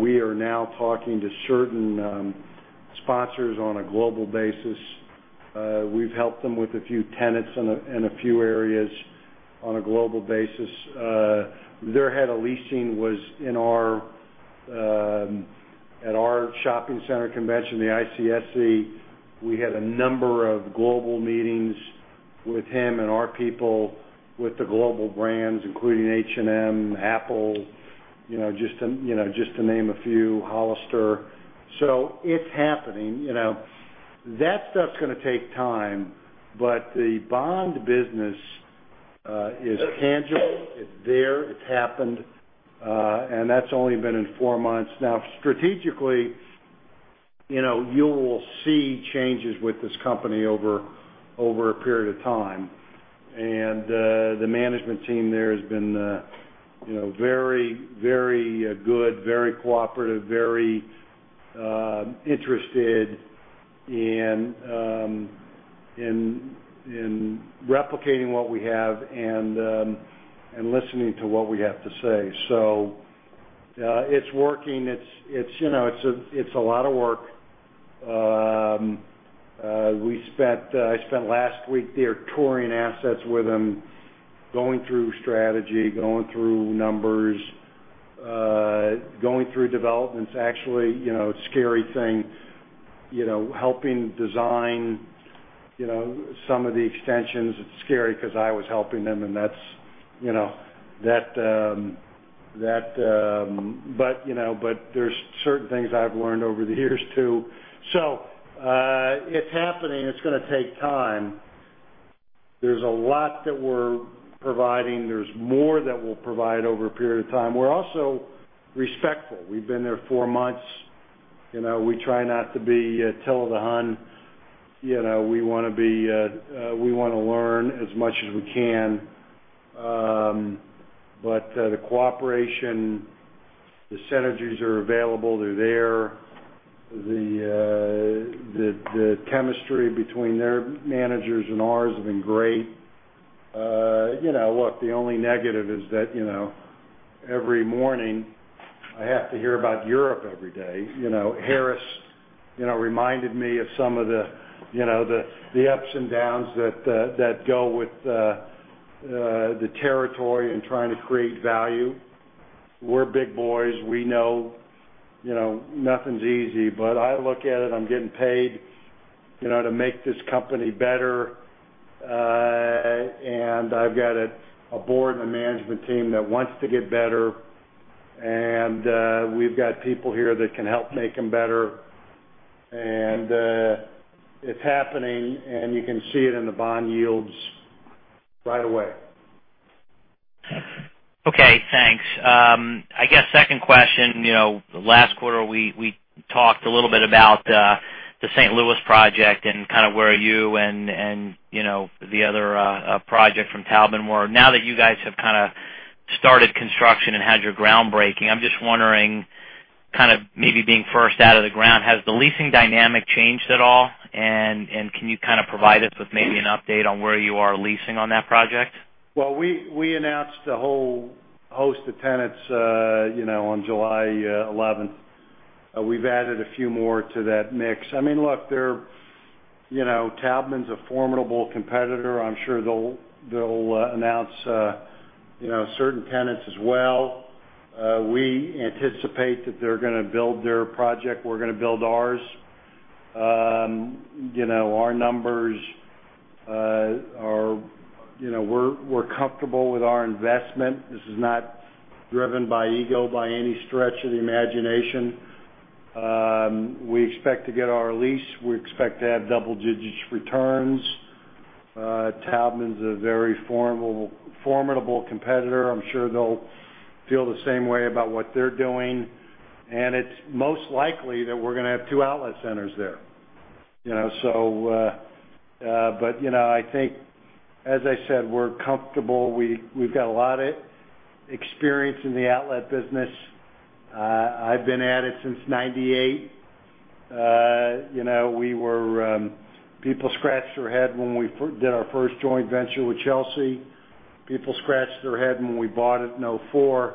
[SPEAKER 3] We are now talking to certain sponsors on a global basis. We've helped them with a few tenants in a few areas on a global basis. Their head of leasing was at our shopping center convention, the ICSC. We had a number of global meetings with him and our people with the global brands, including H&M, Apple, just to name a few, Hollister. It's happening. That stuff's going to take time, but the bond business is tangible. It's there, it's happened, and that's only been in four months. Strategically, you will see changes with this company over a period of time. The management team there has been very good, very cooperative, very interested in replicating what we have and listening to what we have to say. It's working. It's a lot of work. I spent last week there touring assets with them, going through strategy, going through numbers, going through developments. Actually, scary thing, helping design some of the extensions, it's scary because I was helping them. There's certain things I've learned over the years, too. It's happening. It's going to take time. There's a lot that we're providing. There's more that we'll provide over a period of time. We're also respectful. We've been there four months. We try not to be Attila the Hun. We want to learn as much as we can. The cooperation, the synergies are available, they're there. The chemistry between their managers and ours has been great. Look, the only negative is that every morning I have to hear about Europe every day. Harris reminded me of some of the ups and downs that go with the territory and trying to create value. We're big boys. We know nothing's easy. I look at it, I'm getting paid to make this company better. I've got a board and a management team that wants to get better. We've got people here that can help make them better. It's happening, and you can see it in the bond yields right away.
[SPEAKER 13] Okay, thanks. I guess second question, last quarter, we talked a little bit about the St. Louis project and where you and the other project from Taubman were. Now that you guys have started construction and had your groundbreaking, I'm just wondering, maybe being first out of the ground, has the leasing dynamic changed at all? Can you provide us with maybe an update on where you are leasing on that project?
[SPEAKER 3] Well, we announced a whole host of tenants on July 11th. We've added a few more to that mix. Look, Taubman's a formidable competitor. I'm sure they'll announce certain tenants as well. We anticipate that they're going to build their project, we're going to build ours. We're comfortable with our investment. This is not driven by ego by any stretch of the imagination. We expect to get our lease. We expect to have double-digit returns. Taubman's a very formidable competitor. I'm sure they'll feel the same way about what they're doing. It's most likely that we're going to have two outlet centers there. I think, as I said, we're comfortable. We've got a lot of experience in the outlet business. I've been at it since 1998. People scratched their head when we did our first joint venture with Chelsea. People scratched their head when we bought it in 2004.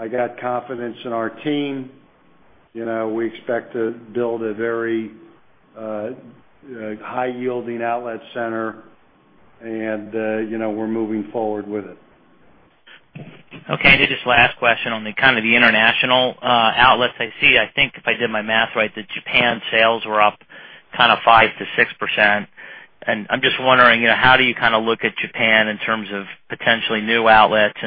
[SPEAKER 3] I got confidence in our team. We expect to build a very high-yielding outlet center, and we're moving forward with it.
[SPEAKER 13] Okay, just last question on the international outlets. I see, I think if I did my math right, that Japan sales were up 5%-6%. I'm just wondering, how do you look at Japan in terms of potentially new outlets?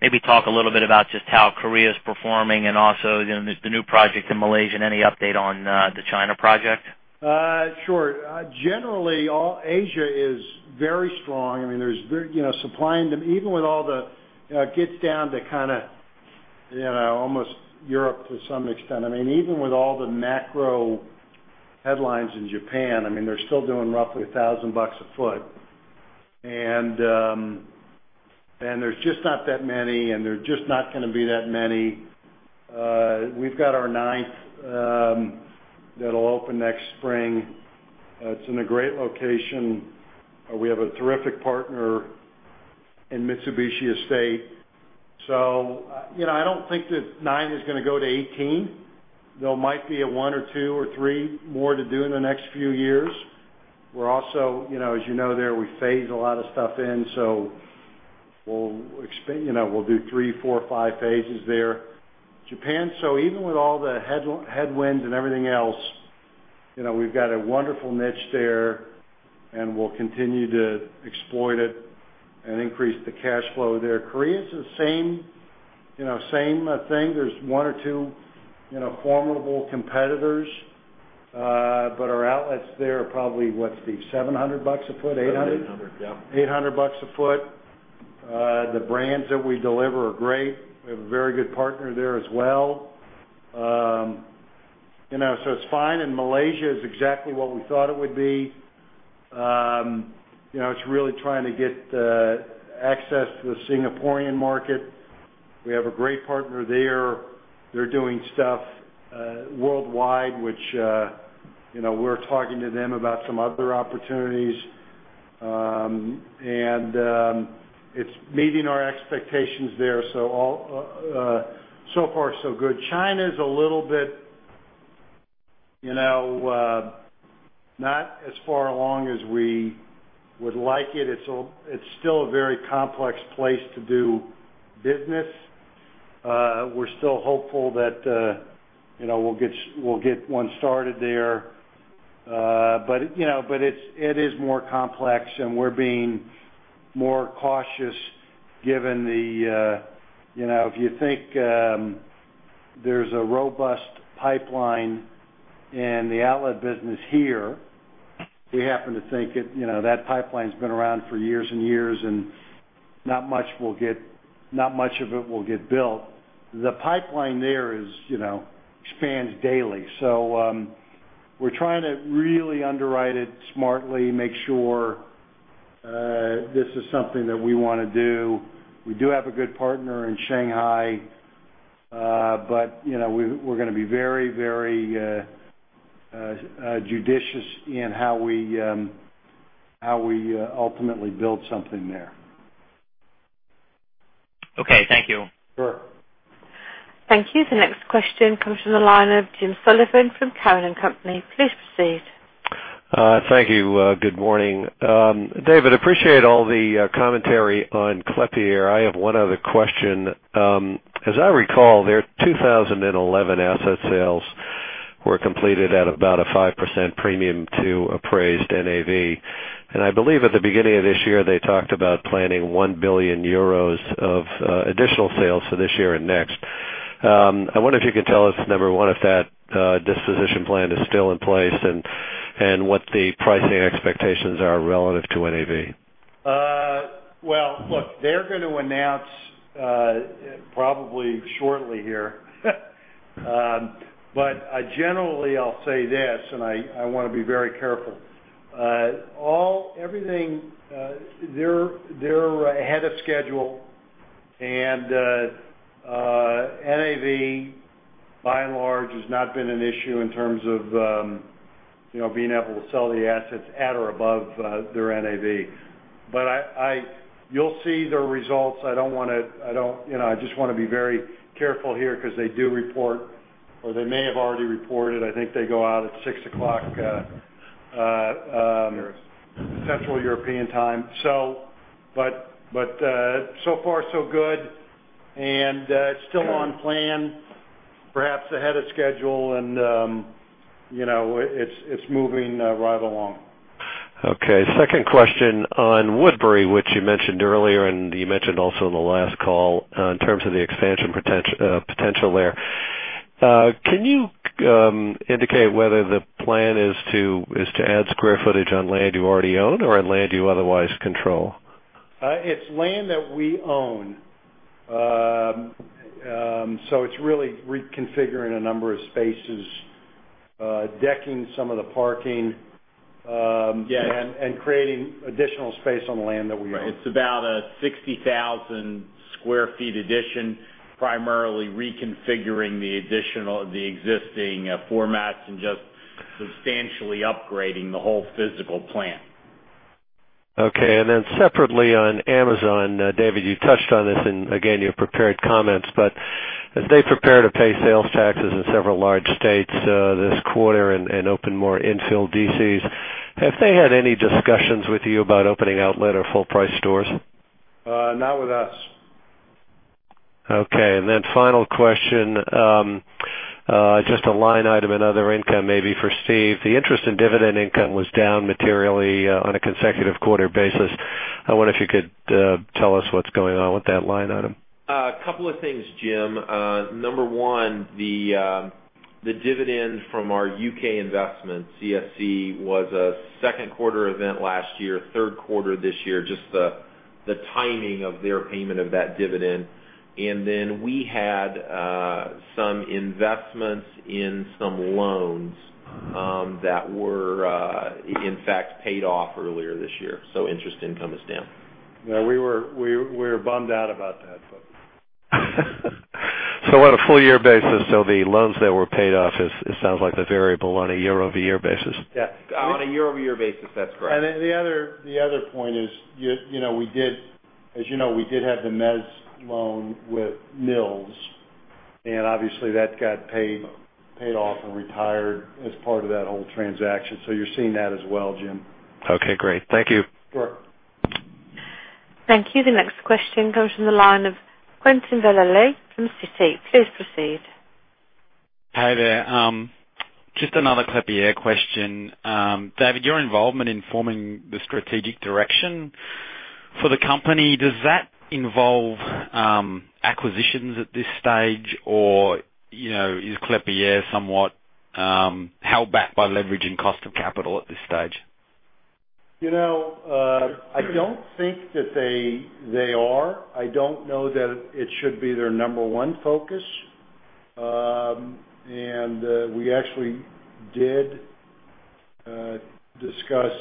[SPEAKER 13] Maybe talk a little bit about just how Korea is performing, also, the new project in Malaysia, and any update on the China project.
[SPEAKER 3] Sure. Generally, all Asia is very strong. Supplying them, even when it gets down to almost Europe to some extent. Even with all the macro headlines in Japan, they're still doing roughly $1,000 a foot. There's just not that many, and there's just not going to be that many. We've got our ninth that'll open next spring. It's in a great location. We have a terrific partner in Mitsubishi Estate. I don't think that nine is going to go to 18. There might be one or two or three more to do in the next few years. We're also, as you know there, we phase a lot of stuff in, so we'll do three, four, five phases there. Japan. Even with all the headwinds and everything else, we've got a wonderful niche there, and we'll continue to exploit it and increase the cash flow there. Korea is the Same thing. There's one or two formidable competitors, but our outlets there are probably, what, Steve, $700 a foot? $800?
[SPEAKER 8] About $800, yeah.
[SPEAKER 3] $800 a foot. The brands that we deliver are great. We have a very good partner there as well. It's fine, and Malaysia is exactly what we thought it would be. It's really trying to get access to the Singaporean market. We have a great partner there. They're doing stuff worldwide, which we're talking to them about some other opportunities. It's meeting our expectations there, so far so good. China's a little bit not as far along as we would like it. It's still a very complex place to do business. We're still hopeful that we'll get one started there. It is more complex, and we're being more cautious given the If you think there's a robust pipeline in the outlet business here, we happen to think that pipeline's been around for years and years, and not much of it will get built. The pipeline there expands daily. We're trying to really underwrite it smartly, make sure this is something that we want to do. We do have a good partner in Shanghai. We're going to be very judicious in how we ultimately build something there.
[SPEAKER 13] Okay. Thank you.
[SPEAKER 3] Sure.
[SPEAKER 1] Thank you. The next question comes from the line of Jim Sullivan from Cowen and Company. Please proceed.
[SPEAKER 14] Thank you. Good morning. David, appreciate all the commentary on Klépierre. I have one other question. As I recall, their 2011 asset sales were completed at about a 5% premium to appraised NAV. I believe at the beginning of this year, they talked about planning 1 billion euros of additional sales for this year and next. I wonder if you can tell us, number one, if that disposition plan is still in place and what the pricing expectations are relative to NAV.
[SPEAKER 3] Look, they're going to announce probably shortly here. Generally, I'll say this, and I want to be very careful. They're ahead of schedule, and NAV, by and large, has not been an issue in terms of being able to sell the assets at or above their NAV. You'll see their results. I just want to be very careful here because they do report, or they may have already reported. I think they go out at 6:00 o'clock-
[SPEAKER 8] Yes
[SPEAKER 3] Central European Time. So far so good, and it's still on plan, perhaps ahead of schedule, and it's moving right along.
[SPEAKER 14] Okay. Second question on Woodbury, which you mentioned earlier, and you mentioned also on the last call in terms of the expansion potential there. Can you indicate whether the plan is to add square footage on land you already own or on land you otherwise control?
[SPEAKER 3] It's land that we own. It's really reconfiguring a number of spaces, decking some of the parking-
[SPEAKER 8] Yes
[SPEAKER 3] Creating additional space on land that we own.
[SPEAKER 8] It's about a 60,000 square feet addition, primarily reconfiguring the existing formats and just substantially upgrading the whole physical plant.
[SPEAKER 14] Separately on Amazon, David, you touched on this in, again, your prepared comments, but as they prepare to pay sales taxes in several large states this quarter and open more infill DCs, have they had any discussions with you about opening outlet or full-price stores?
[SPEAKER 3] Not with us.
[SPEAKER 14] Okay, final question, just a line item and other income maybe for Steve. The interest in dividend income was down materially on a consecutive quarter basis. I wonder if you could tell us what's going on with that line item.
[SPEAKER 8] A couple of things, Jim. Number one, the dividend from our U.K. investment, CSC, was a second quarter event last year, third quarter this year, just the timing of their payment of that dividend. We had some investments in some loans that were in fact paid off earlier this year. Interest income is down.
[SPEAKER 3] Yeah, we were bummed out about that.
[SPEAKER 14] On a full year basis, so the loans that were paid off is, it sounds like the variable on a year-over-year basis.
[SPEAKER 8] Yes. On a year-over-year basis, that's correct.
[SPEAKER 3] The other point is, as you know, we did have the mez loan with The Mills Corporation, and obviously, that got paid off and retired as part of that whole transaction. You're seeing that as well, Jim.
[SPEAKER 14] Okay, great. Thank you.
[SPEAKER 3] Sure.
[SPEAKER 1] Thank you. The next question comes from the line of Quentin Velleley from Citi. Please proceed.
[SPEAKER 15] Hey there. Just another Klépierre question. David, your involvement in forming the strategic direction for the company, does that involve acquisitions at this stage, or is Klépierre somewhat held back by leverage and cost of capital at this stage?
[SPEAKER 3] I don't think that they are. I don't know that it should be their number 1 focus. We actually did discuss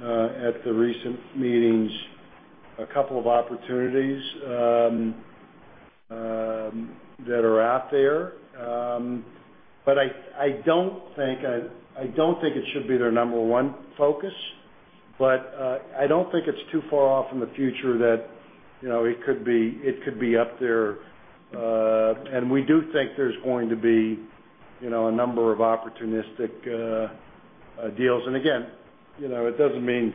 [SPEAKER 3] at the recent meetings a couple of opportunities that are out there. I don't think it should be their number 1 focus, but I don't think it's too far off in the future that it could be up there. We do think there's going to be a number of opportunistic deals. Again, it doesn't mean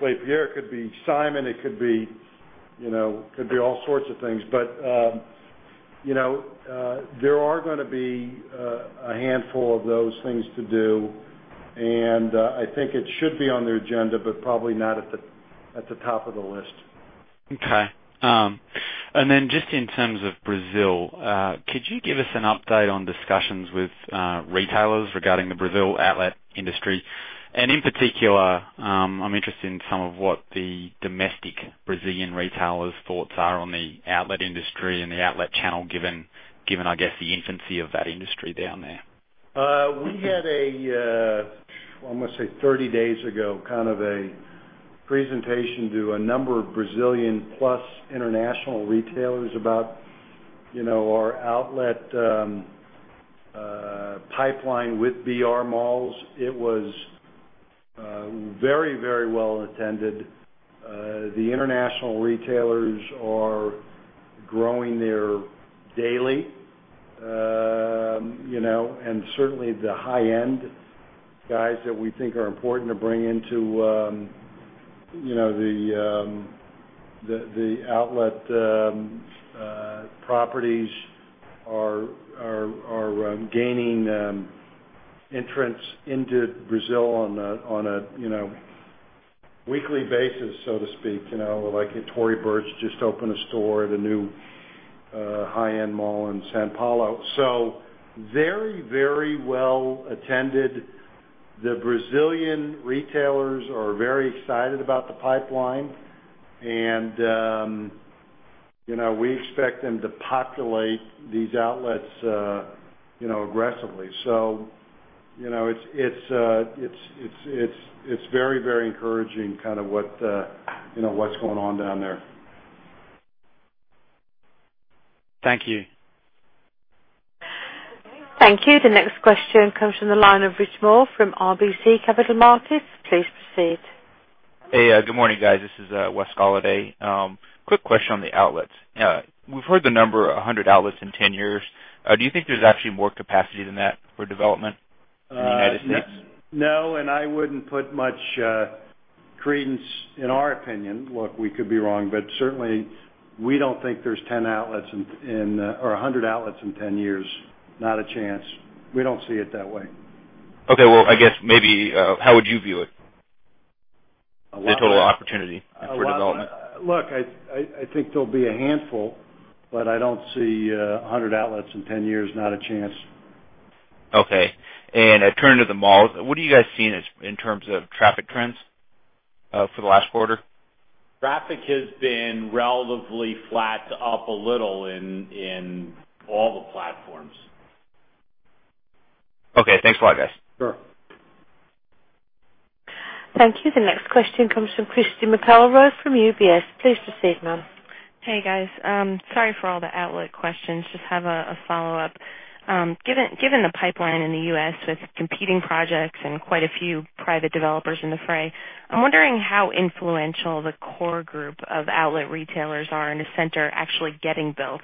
[SPEAKER 3] Klépierre. It could be Simon, it could be all sorts of things. There are going to be a handful of those things to do, and I think it should be on their agenda, but probably not at the top of the list.
[SPEAKER 15] Okay. Just in terms of Brazil, could you give us an update on discussions with retailers regarding the Brazil outlet industry? In particular, I'm interested in some of what the domestic Brazilian retailers' thoughts are on the outlet industry and the outlet channel, given the infancy of that industry down there.
[SPEAKER 3] We had, I want to say 30 days ago, a presentation to a number of Brazilian plus international retailers about our outlet pipeline with brMalls. It was very well attended. The international retailers are growing there daily. Certainly, the high-end guys that we think are important to bring into the outlet properties are gaining entrance into Brazil on a weekly basis, so to speak. Like Tory Burch just opened a store at a new high-end mall in São Paulo. Very well attended. The Brazilian retailers are very excited about the pipeline. We expect them to populate these outlets aggressively. It's very encouraging what's going on down there.
[SPEAKER 15] Thank you.
[SPEAKER 1] Thank you. The next question comes from the line of Richard Moore from RBC Capital Markets. Please proceed.
[SPEAKER 16] Hey, good morning, guys. This is Wes Golladay. Quick question on the outlets. We've heard the number 100 outlets in 10 years. Do you think there's actually more capacity than that for development in the United States?
[SPEAKER 3] No, I wouldn't put much credence in our opinion. Look, we could be wrong, but certainly, we don't think there's 100 outlets in 10 years. Not a chance. We don't see it that way.
[SPEAKER 16] Okay. Well, I guess maybe how would you view it?
[SPEAKER 3] A lot.
[SPEAKER 16] The total opportunity for development.
[SPEAKER 3] Look, I think there'll be a handful, but I don't see 100 outlets in 10 years. Not a chance.
[SPEAKER 16] Okay. Turning to the malls, what are you guys seeing in terms of traffic trends for the last quarter?
[SPEAKER 3] Traffic has been relatively flat to up a little in all the platforms.
[SPEAKER 16] Okay. Thanks a lot, guys.
[SPEAKER 3] Sure.
[SPEAKER 1] Thank you. The next question comes from Christy McElroy from UBS. Please proceed, ma'am.
[SPEAKER 17] Hey, guys. Sorry for all the outlet questions. Just have a follow-up. Given the pipeline in the U.S. with competing projects and quite a few private developers in the fray, I'm wondering how influential the core group of outlet retailers are in a center actually getting built.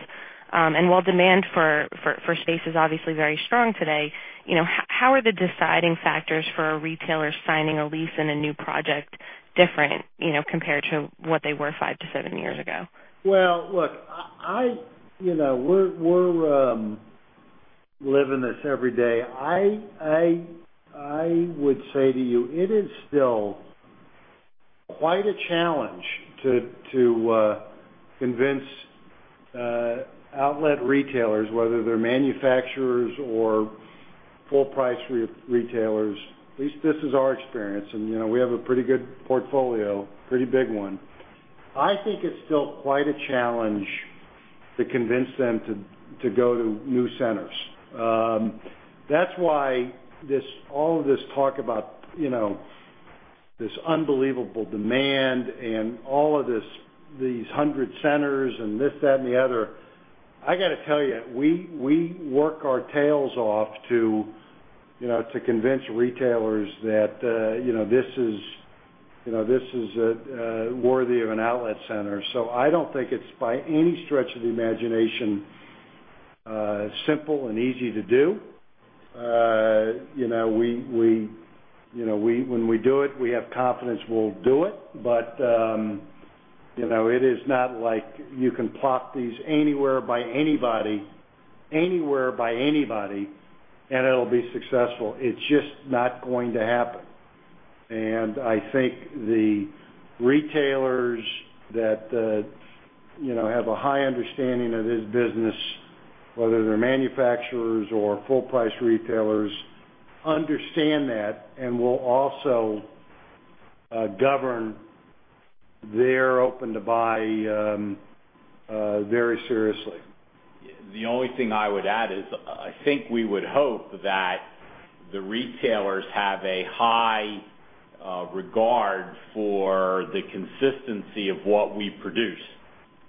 [SPEAKER 17] While demand for space is obviously very strong today, how are the deciding factors for a retailer signing a lease in a new project different compared to what they were 5 to 7 years ago?
[SPEAKER 3] Well, look, we're living this every day. I would say to you, it is still quite a challenge to convince outlet retailers, whether they're manufacturers or full-price retailers. At least this is our experience, and we have a pretty good portfolio, a pretty big one. I think it's still quite a challenge to convince them to go to new centers. That's why all of this talk about this unbelievable demand and all of these 100 centers and this, that, and the other, I got to tell you, we work our tails off to convince retailers that this is worthy of an outlet center. I don't think it's by any stretch of the imagination, simple and easy to do. When we do it, we have confidence we'll do it. It is not like you can plop these anywhere by anybody, and it'll be successful. It's just not going to happen. I think the retailers that have a high understanding of this business, whether they're manufacturers or full-price retailers, understand that and will also govern their open-to-buy very seriously.
[SPEAKER 5] The only thing I would add is, I think we would hope that the retailers have a high regard for the consistency of what we produce.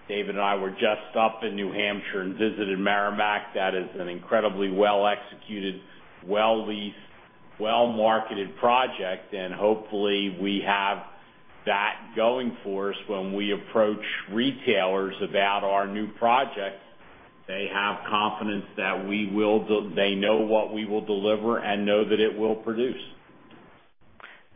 [SPEAKER 5] David and I were just up in New Hampshire and visited Merrimack. That is an incredibly well-executed, well-leased, well-marketed project, and hopefully, we have that going for us when we approach retailers about our new projects. They have confidence that they know what we will deliver and know that it will produce.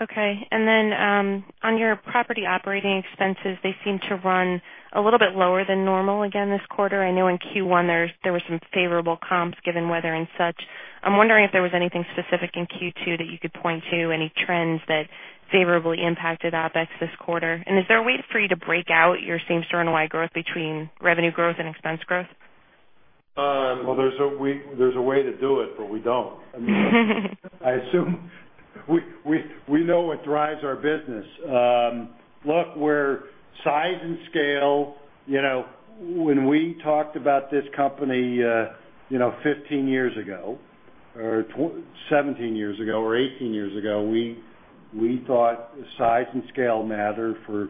[SPEAKER 17] Okay. On your property operating expenses, they seem to run a little bit lower than normal again this quarter. I know in Q1 there was some favorable comps given weather and such. I am wondering if there was anything specific in Q2 that you could point to, any trends that favorably impacted OpEx this quarter. Is there a way for you to break out your same-store NOI growth between revenue growth and expense growth?
[SPEAKER 3] Well, there is a way to do it, we do not. We know what drives our business. Look, size and scale, when we talked about this company 15 years ago, or 17 years ago or 18 years ago, we thought size and scale matter for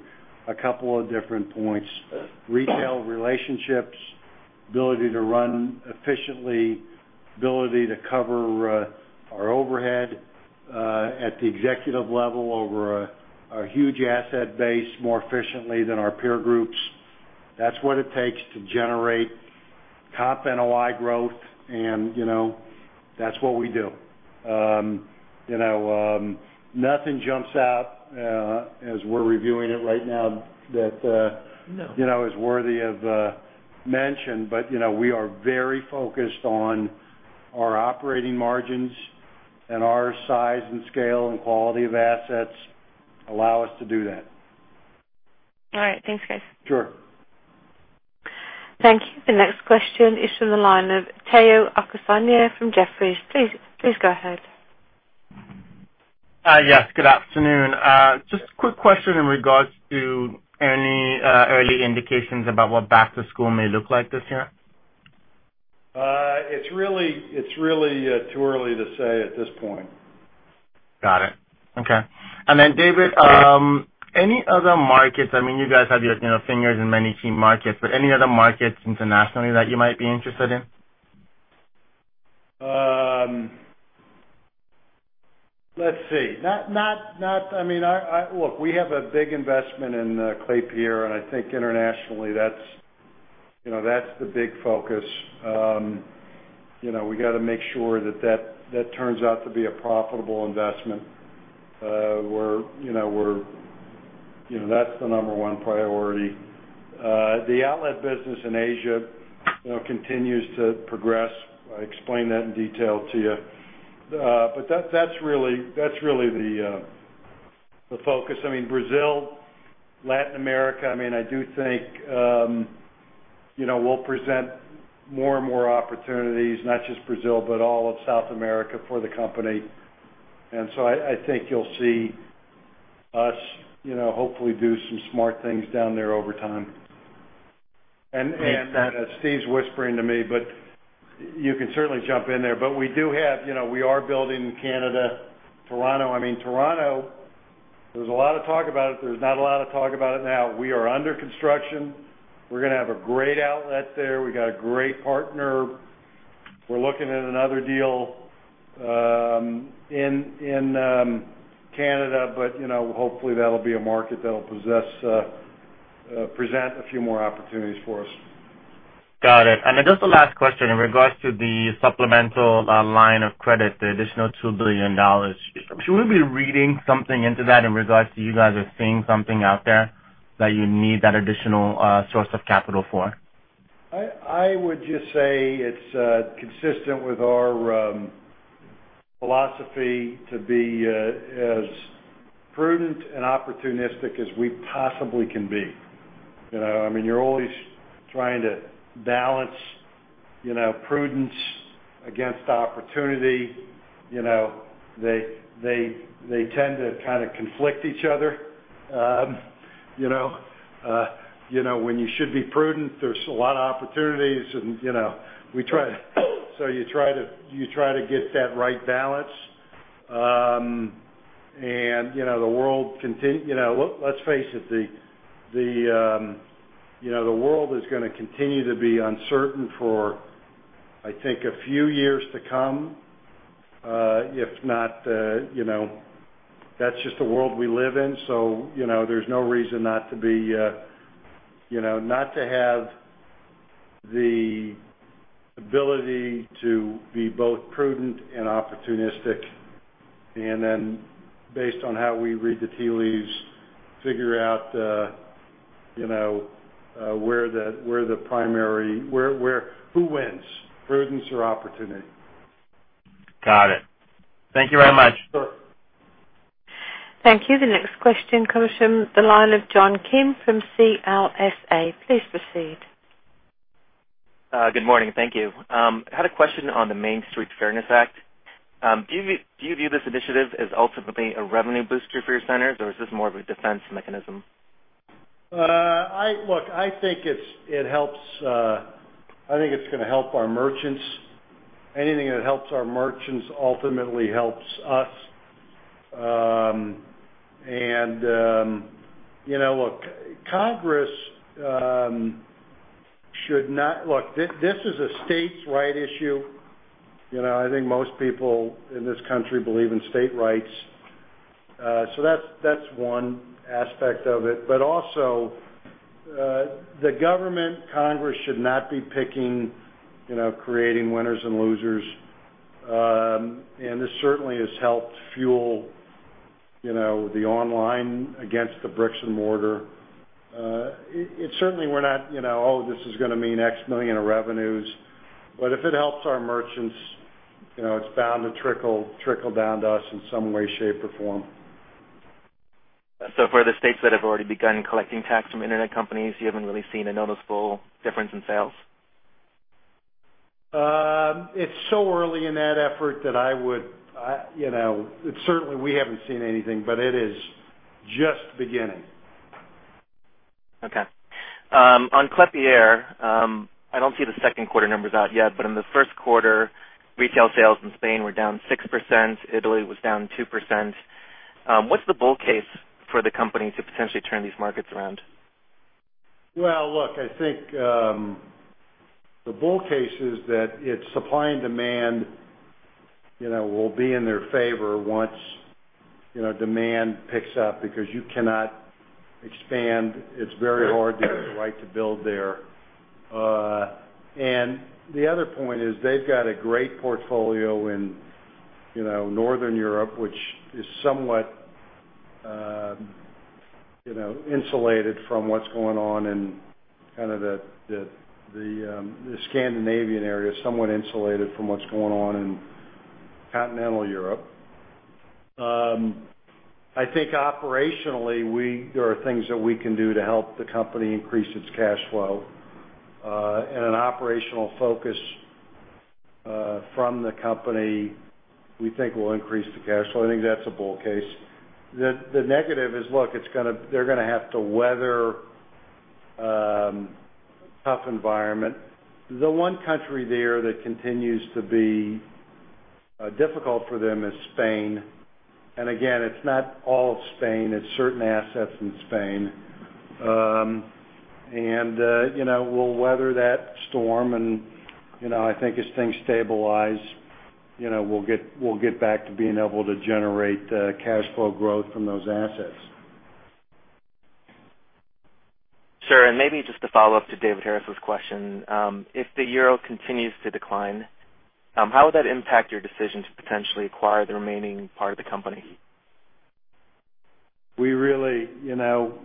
[SPEAKER 3] a couple of different points. Retail relationships, ability to run efficiently, ability to cover our overhead at the executive level over a huge asset base more efficiently than our peer groups. That is what it takes to generate top NOI growth. That is what we do. Nothing jumps out as we are reviewing it right now that-
[SPEAKER 5] No
[SPEAKER 3] is worthy of mention, we are very focused on our operating margins. Our size and scale and quality of assets allow us to do that.
[SPEAKER 17] All right. Thanks, guys.
[SPEAKER 3] Sure.
[SPEAKER 1] Thank you. The next question is from the line of Tayo Okusanya from Jefferies. Please go ahead.
[SPEAKER 18] Hi, yes. Good afternoon. Just a quick question in regards to any early indications about what back to school may look like this year.
[SPEAKER 3] It's really too early to say at this point.
[SPEAKER 18] Got it. Okay. David, any other markets, I mean, you guys have your fingers in many key markets, but any other markets internationally that you might be interested in?
[SPEAKER 3] Let's see. Look, we have a big investment in Klépierre, I think internationally, that's the big focus. We got to make sure that turns out to be a profitable investment. That's the number one priority. The outlet business in Asia continues to progress. I explained that in detail to you. That's really the focus. Brazil, Latin America, I do think will present more and more opportunities, not just Brazil, but all of South America for the company. I think you'll see us hopefully do some smart things down there over time. Steve's whispering to me, you can certainly jump in there. We are building in Canada, Toronto. Toronto, there was a lot of talk about it. There's not a lot of talk about it now. We are under construction. We're going to have a great outlet there. We got a great partner. We're looking at another deal in Canada, hopefully, that'll be a market that'll present a few more opportunities for us.
[SPEAKER 18] Got it. Just the last question in regards to the supplemental line of credit, the additional $2 billion. Should we be reading something into that in regards to you guys are seeing something out there that you need that additional source of capital for?
[SPEAKER 3] I would just say it's consistent with our philosophy to be as prudent and opportunistic as we possibly can be. You're always trying to balance prudence against opportunity. They tend to kind of conflict each other. When you should be prudent, there's a lot of opportunities, you try to get that right balance. Let's face it, the world is going to continue to be uncertain for, I think, a few years to come. That's just the world we live in. There's no reason not to have the ability to be both prudent and opportunistic, and then based on how we read the tea leaves, figure out who wins, prudence or opportunity.
[SPEAKER 18] Got it. Thank you very much.
[SPEAKER 3] Sure.
[SPEAKER 1] Thank you. The next question comes from the line of John Kim from CLSA. Please proceed.
[SPEAKER 19] Good morning. Thank you. I had a question on the Main Street Fairness Act. Do you view this initiative as ultimately a revenue booster for your centers, or is this more of a defense mechanism?
[SPEAKER 3] Look, I think it's going to help our merchants. Anything that helps our merchants ultimately helps us. Look, this is a states right issue. I think most people in this country believe in state rights. That's one aspect of it. Also, the government, Congress should not be creating winners and losers. This certainly has helped fuel the online against the bricks and mortar. Certainly, we're not, "Oh, this is going to mean X million of revenues." If it helps our merchants, it's bound to trickle down to us in some way, shape, or form.
[SPEAKER 19] For the states that have already begun collecting tax from internet companies, you haven't really seen a noticeable difference in sales?
[SPEAKER 3] It's so early in that effort. Certainly, we haven't seen anything, but it is just beginning.
[SPEAKER 19] Okay. On Klépierre, I don't see the second quarter numbers out yet, but in the first quarter, retail sales in Spain were down 6%, Italy was down 2%. What's the bull case for the company to potentially turn these markets around?
[SPEAKER 3] Look, I think, the bull case is that its supply and demand will be in their favor once demand picks up because you cannot expand. It's very hard to get the right to build there. The other point is they've got a great portfolio in Northern Europe, which is somewhat insulated from what's going on in kind of the Scandinavian area, somewhat insulated from what's going on in continental Europe. I think operationally, there are things that we can do to help the company increase its cash flow, and an operational focus from the company we think will increase the cash flow. I think that's a bull case. The negative is, look, they're going to have to weather a tough environment. The one country there that continues to be difficult for them is Spain. Again, it's not all of Spain, it's certain assets in Spain. We'll weather that storm and, I think as things stabilize, we'll get back to being able to generate cash flow growth from those assets.
[SPEAKER 19] Sure, maybe just to follow up to David Harris's question. If the euro continues to decline, how would that impact your decision to potentially acquire the remaining part of the company?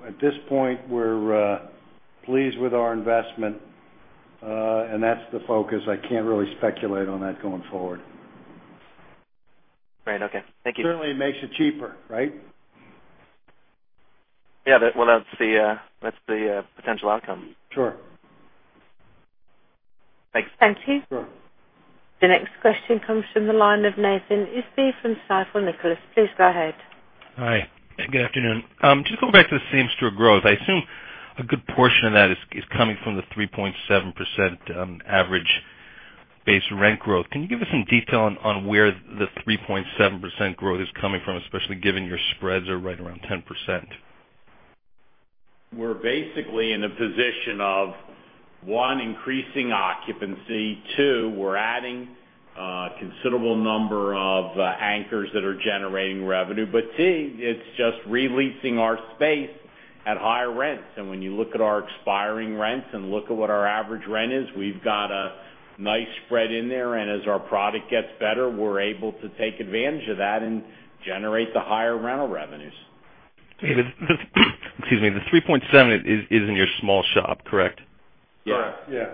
[SPEAKER 3] At this point, we're pleased with our investment. That's the focus. I can't really speculate on that going forward.
[SPEAKER 19] Great. Okay. Thank you.
[SPEAKER 3] Certainly, it makes it cheaper, right?
[SPEAKER 19] Yeah. Well, that's the potential outcome.
[SPEAKER 3] Sure.
[SPEAKER 19] Thanks.
[SPEAKER 1] Thank you.
[SPEAKER 3] Sure.
[SPEAKER 1] The next question comes from the line of Nathan Isbee from Stifel Nicolaus. Please go ahead.
[SPEAKER 20] Hi. Good afternoon. Going back to the same-store growth, I assume a good portion of that is coming from the 3.7% average base rent growth. Can you give us some detail on where the 3.7% growth is coming from, especially given your spreads are right around 10%?
[SPEAKER 5] We're basically in a position of, one, increasing occupancy, two, we're adding a considerable number of anchors that are generating revenue, but three, it's just re-leasing our space at higher rents. When you look at our expiring rents and look at what our average rent is, we've got a nice spread in there, and as our product gets better, we're able to take advantage of that and generate the higher rental revenues.
[SPEAKER 20] David, excuse me. The 3.7 is in your small shop, correct?
[SPEAKER 5] Yes.
[SPEAKER 3] Correct. Yeah.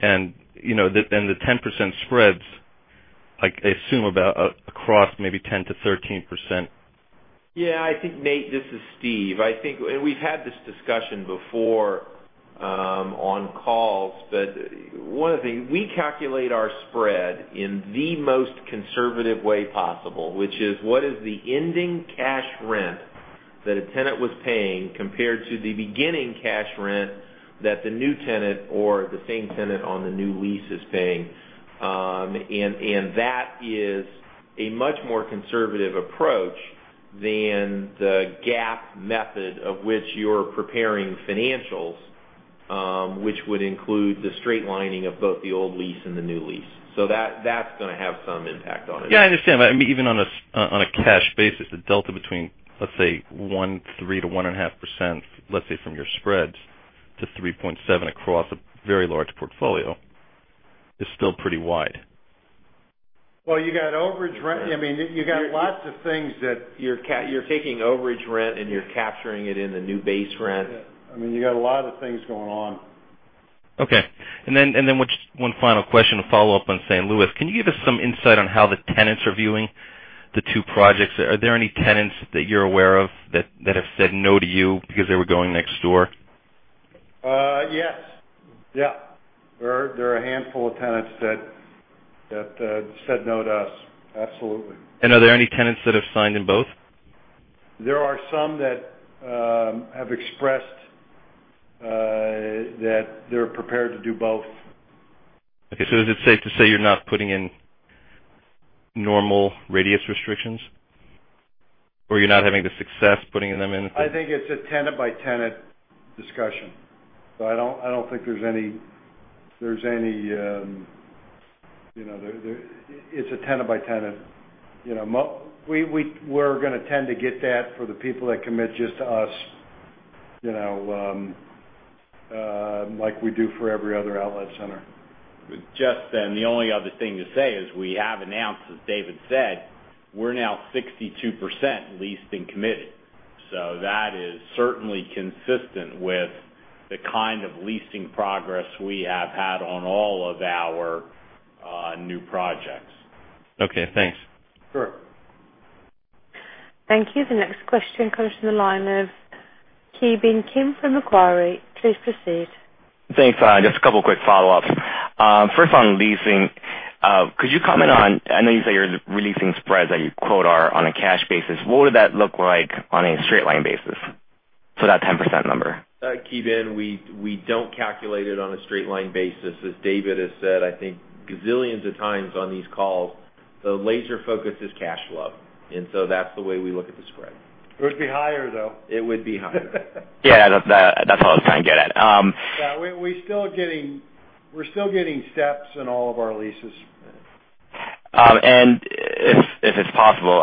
[SPEAKER 20] The 10% spreads, I assume, about across maybe 10%-13%.
[SPEAKER 8] Yeah, I think, Nate, this is Steve. We've had this discussion before on calls, one of the things, we calculate our spread in the most conservative way possible, which is what is the ending cash rent that a tenant was paying compared to the beginning cash rent that the new tenant or the same tenant on the new lease is paying. That is a much more conservative approach than the GAAP method of which you're preparing financials, which would include the straight lining of both the old lease and the new lease. That's going to have some impact on it.
[SPEAKER 20] Yeah, I understand. Even on a cash basis, the delta between, let's say, 1.3%-1.5%, let's say, from your spreads to 3.7% across a very large portfolio is still pretty wide.
[SPEAKER 3] Well, you got overage rent. You got lots of things that.
[SPEAKER 5] You're taking overage rent, and you're capturing it in the new base rent.
[SPEAKER 3] Yeah. You got a lot of things going on.
[SPEAKER 20] Okay. Just one final question to follow up on St. Louis. Can you give us some insight on how the tenants are viewing the two projects? Are there any tenants that you're aware of that have said no to you because they were going next door?
[SPEAKER 3] Yes. There are a handful of tenants that said no to us, absolutely.
[SPEAKER 20] Are there any tenants that have signed in both?
[SPEAKER 3] There are some that have expressed that they're prepared to do both.
[SPEAKER 20] Is it safe to say you're not putting in normal radius restrictions? Or you're not having the success putting them in.
[SPEAKER 3] I think it's a tenant-by-tenant discussion. It's a tenant-by-tenant. We're going to tend to get that for the people that commit just to us, like we do for every other outlet center.
[SPEAKER 5] The only other thing to say is we have announced, as David said, we're now 62% leased and committed. That is certainly consistent with the kind of leasing progress we have had on all of our new projects.
[SPEAKER 20] Okay, thanks.
[SPEAKER 3] Sure.
[SPEAKER 1] Thank you. The next question comes from the line of Ki Bin Kim from Macquarie. Please proceed.
[SPEAKER 21] Thanks. Just a two quick follow-ups. First on leasing, could you comment on, I know you say you're releasing spreads that you quote are on a cash basis. What would that look like on a straight line basis for that 10% number?
[SPEAKER 5] Ki Bin, we don't calculate it on a straight line basis. As David has said, I think gazillions of times on these calls, the laser focus is cash flow, that's the way we look at the spread.
[SPEAKER 3] It would be higher, though.
[SPEAKER 5] It would be higher.
[SPEAKER 21] Yeah, that's all I was trying to get at.
[SPEAKER 3] we're still getting steps in all of our leases.
[SPEAKER 21] If it's possible,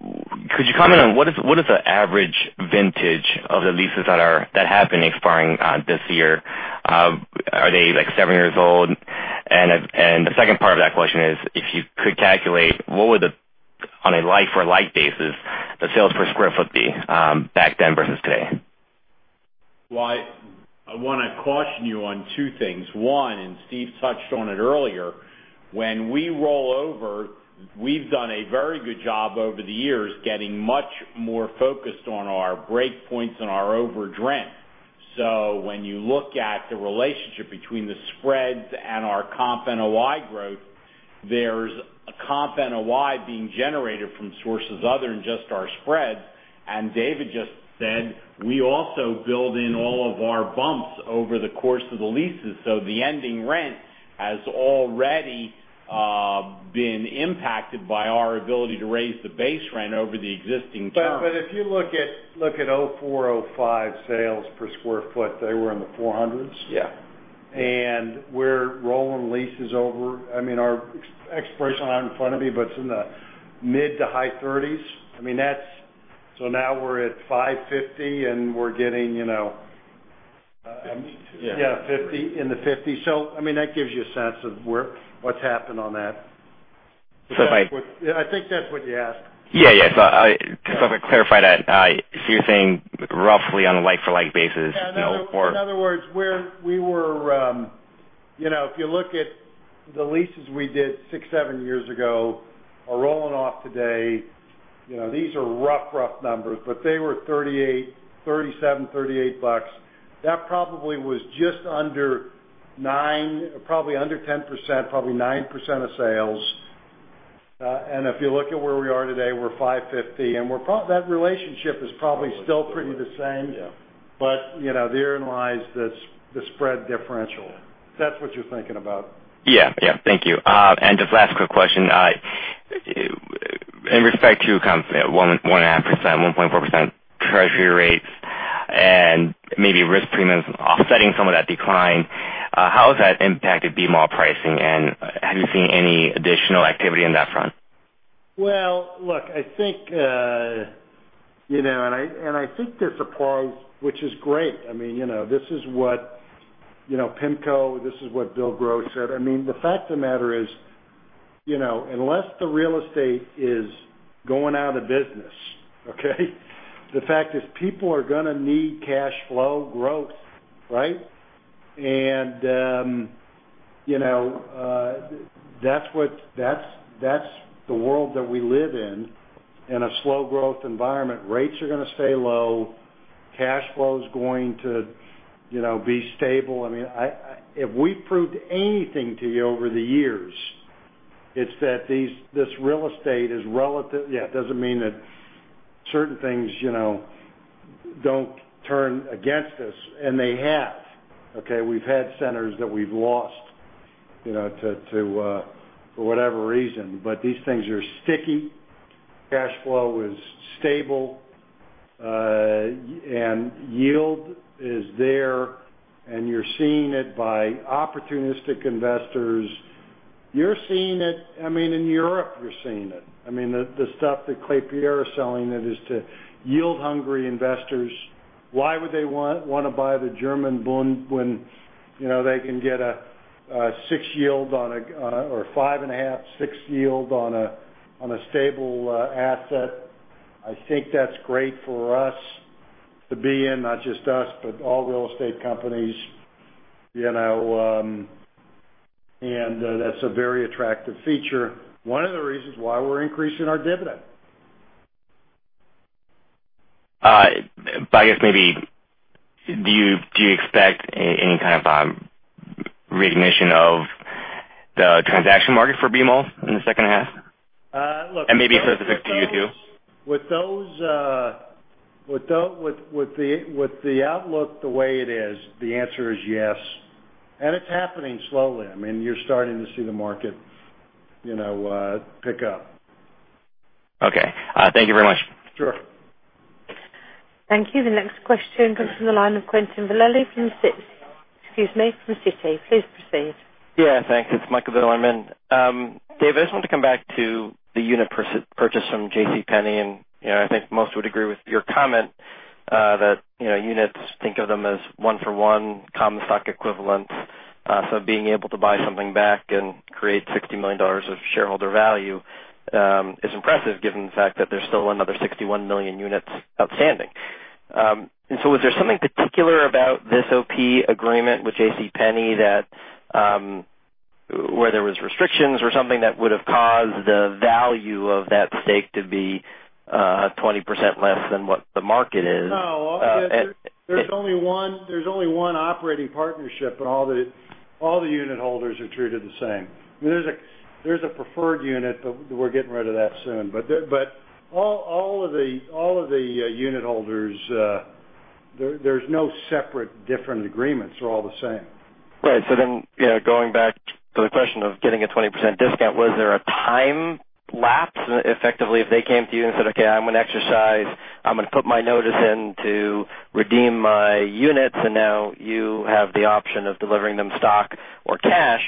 [SPEAKER 21] could you comment on what is the average vintage of the leases that have been expiring this year? Are they seven years old? The second part of that question is, if you could calculate, what would the, on a like for like basis, the sales per square foot be back then versus today?
[SPEAKER 5] I want to caution you on two things. One, Steve touched on it earlier, when we roll over, we've done a very good job over the years getting much more focused on our break points and our overage rent. When you look at the relationship between the spreads and our comp and NOI growth, there's a comp and NOI being generated from sources other than just our spreads. David just said, we also build in all of our bumps over the course of the leases. The ending rent has already been impacted by our ability to raise the base rent over the existing term.
[SPEAKER 3] If you look at 2004, 2005 sales per square foot, they were in the $400s.
[SPEAKER 5] Yeah.
[SPEAKER 3] We're rolling leases over. Our expiration line in front of you, but it's in the mid to high 30s. Now we're at 550, and we're getting-
[SPEAKER 5] Fifty-two.
[SPEAKER 3] Yeah, 50. In the 50s. That gives you a sense of what's happened on that.
[SPEAKER 21] If I-
[SPEAKER 3] I think that's what you asked.
[SPEAKER 21] Just to clarify that, you're saying roughly on a like-for-like basis?
[SPEAKER 3] Yeah.
[SPEAKER 21] Or-
[SPEAKER 3] In other words, if you look at the leases we did six, seven years ago, are rolling off today. These are rough numbers, but they were $37, $38. That probably was just under 9%, probably under 10%, probably 9% of sales. If you look at where we are today, we're $550, and that relationship is probably still pretty the same.
[SPEAKER 5] Yeah.
[SPEAKER 3] Therein lies the spread differential, if that's what you're thinking about.
[SPEAKER 21] Thank you. Just last quick question. In respect to comp at 1.5%, 1.4% Treasury rates and maybe risk premiums offsetting some of that decline, how has that impacted B-mall pricing? Have you seen any additional activity on that front?
[SPEAKER 3] I think there's a pause, which is great. PIMCO, this is what Bill Gross said. The fact of the matter is, unless the real estate is going out of business, okay, the fact is people are going to need cash flow growth, right? That's the world that we live in a slow growth environment. Rates are going to stay low, cash flow is going to be stable. If we proved anything to you over the years, it's that this real estate is relative. It doesn't mean that certain things don't turn against us, and they have. Okay? We've had centers that we've lost for whatever reason. These things are sticky, cash flow is stable, and yield is there, and you're seeing it by opportunistic investors. You're seeing it. In Europe, you're seeing it. The stuff that Klépierre is selling that is to yield hungry investors. Why would they want to buy the German Bund when they can get a six yield or a 5.5, six yield on a stable asset? I think that's great for us to be in, not just us, but all real estate companies. That's a very attractive feature. One of the reasons why we're increasing our dividend.
[SPEAKER 21] I guess maybe, do you expect any kind of recognition of the transaction market for B-malls in the second half?
[SPEAKER 3] Look-
[SPEAKER 21] Maybe it's specific to you two.
[SPEAKER 3] With the outlook the way it is, the answer is yes. It is happening slowly. You are starting to see the market pick up.
[SPEAKER 21] Okay. Thank you very much.
[SPEAKER 3] Sure.
[SPEAKER 1] Thank you. The next question comes from the line of Michael Bilerman from Citi. Please proceed.
[SPEAKER 22] Yeah, thanks. It is Michael Bilerman. Dave, I just wanted to come back to the unit purchase from JCPenney, I think most would agree with your comment, that units, think of them as 1-for-1 common stock equivalents. Being able to buy something back and create $60 million of shareholder value, is impressive given the fact that there is still another 61 million units outstanding. Was there something particular about this OP agreement with JCPenney where there was restrictions or something that would have caused the value of that stake to be 20% less than what the market is?
[SPEAKER 3] No. There's only one operating partnership. All the unit holders are treated the same. There's a preferred unit. We're getting rid of that soon. All of the unit holders, there's no separate different agreements. They're all the same.
[SPEAKER 22] Right. Going back to the question of getting a 20% discount, was there a time lapse, effectively, if they came to you and said, "Okay, I'm going to exercise. I'm going to put my notice in to redeem my units," and now you have the option of delivering them stock or cash.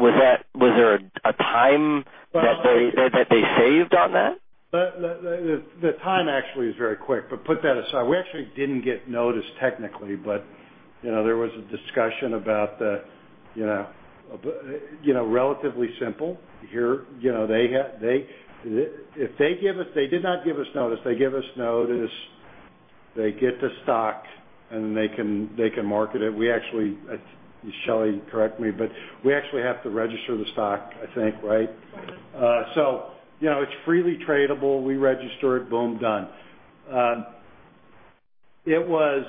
[SPEAKER 22] Was there a time that they saved on that?
[SPEAKER 3] The time actually is very quick. Put that aside. We actually didn't get notice technically. There was a discussion about the Relatively simple. They did not give us notice. They give us notice, they get the stock, and they can market it. Shelly, correct me. We actually have to register the stock, I think, right?
[SPEAKER 2] Right.
[SPEAKER 3] It's freely tradable. We register it, boom, done. It was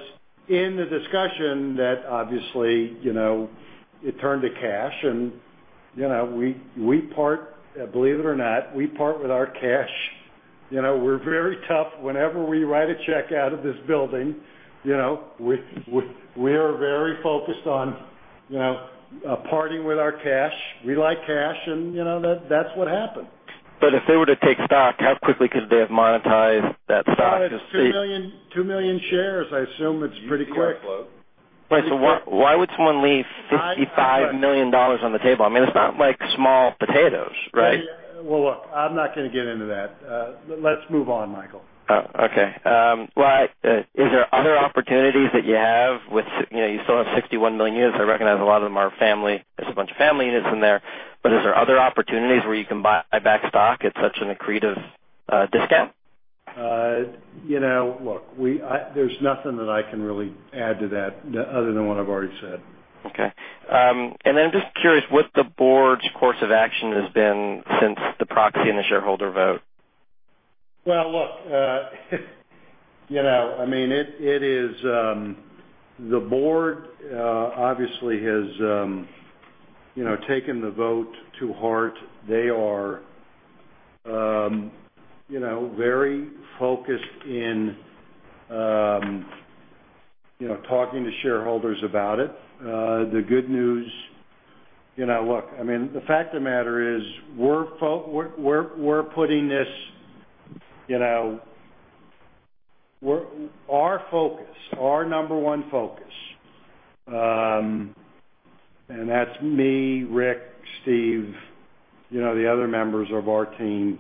[SPEAKER 3] in the discussion that obviously, it turned to cash and believe it or not, we part with our cash. We're very tough. Whenever we write a check out of this building, we are very focused on parting with our cash. We like cash, and that's what happened.
[SPEAKER 22] If they were to take stock, how quickly could they have monetized that stock?
[SPEAKER 3] 2 million shares. I assume it's pretty quick.
[SPEAKER 2] [audio distortion.
[SPEAKER 22] Why would someone leave $55 million on the table? It's not like small potatoes, right?
[SPEAKER 3] Well, look, I'm not going to get into that. Let's move on, Michael.
[SPEAKER 22] Oh, okay. Is there other opportunities that you have? You still have 61 million units. I recognize a lot of them are family. There's a bunch of family units in there. Is there other opportunities where you can buy back stock at such an accretive discount?
[SPEAKER 3] Look, there's nothing that I can really add to that other than what I've already said.
[SPEAKER 22] Okay. I'm just curious what the board's course of action has been since the proxy and the shareholder vote.
[SPEAKER 3] Well, look, the board obviously has taken the vote to heart. They are very focused in talking to shareholders about it. The good news, the fact of the matter is our focus, our number one focus, and that's me, Rick, Steve, the other members of our team,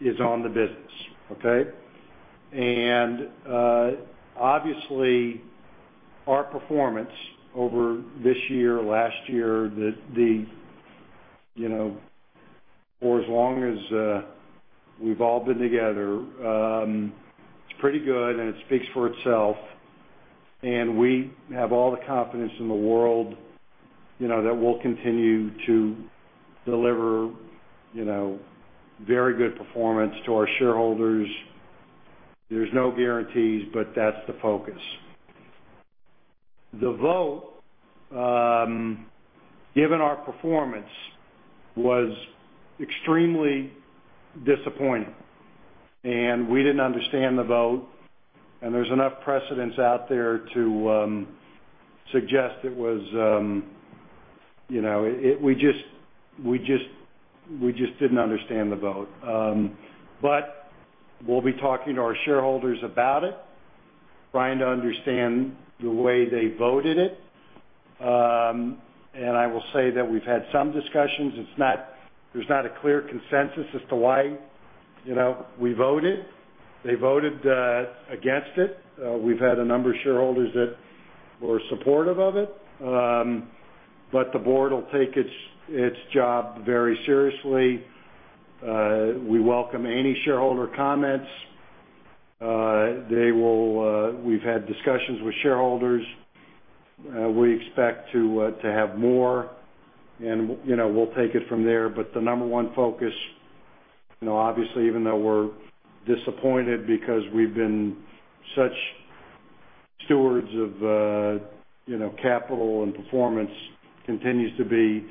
[SPEAKER 3] is on the business. Okay? Obviously, our performance over this year, last year, for as long as we've all been together, it's pretty good, and it speaks for itself, and we have all the confidence in the world that we'll continue to deliver very good performance to our shareholders. There's no guarantees, but that's the focus. The vote, given our performance, was extremely disappointing, and we didn't understand the vote, and there's enough precedents out there to suggest we just didn't understand the vote. We'll be talking to our shareholders about it, trying to understand the way they voted it. I will say that we've had some discussions. There's not a clear consensus as to why we voted. They voted against it. We've had a number of shareholders that were supportive of it. The board will take its job very seriously. We welcome any shareholder comments. We've had discussions with shareholders. We expect to have more, and we'll take it from there. The number one focus, obviously, even though we're disappointed because we've been such stewards of capital and performance, continues to be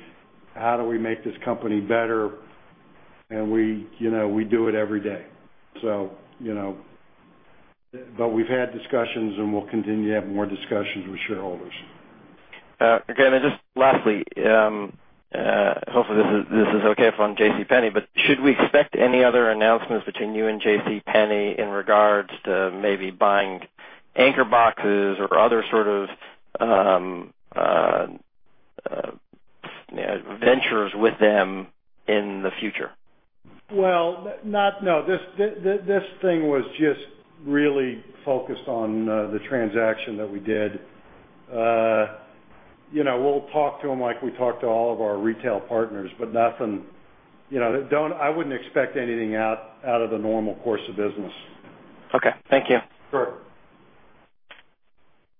[SPEAKER 3] how do we make this company better, and we do it every day. We've had discussions, and we'll continue to have more discussions with shareholders.
[SPEAKER 22] Okay. Just lastly, hopefully, this is okay from J.C. Penney, should we expect any other announcements between you and J.C. Penney in regards to maybe buying anchor boxes or other sort of ventures with them in the future?
[SPEAKER 3] Well, no. This thing was just really focused on the transaction that we did. We'll talk to them like we talk to all of our retail partners, I wouldn't expect anything out of the normal course of business.
[SPEAKER 22] Okay. Thank you.
[SPEAKER 3] Sure.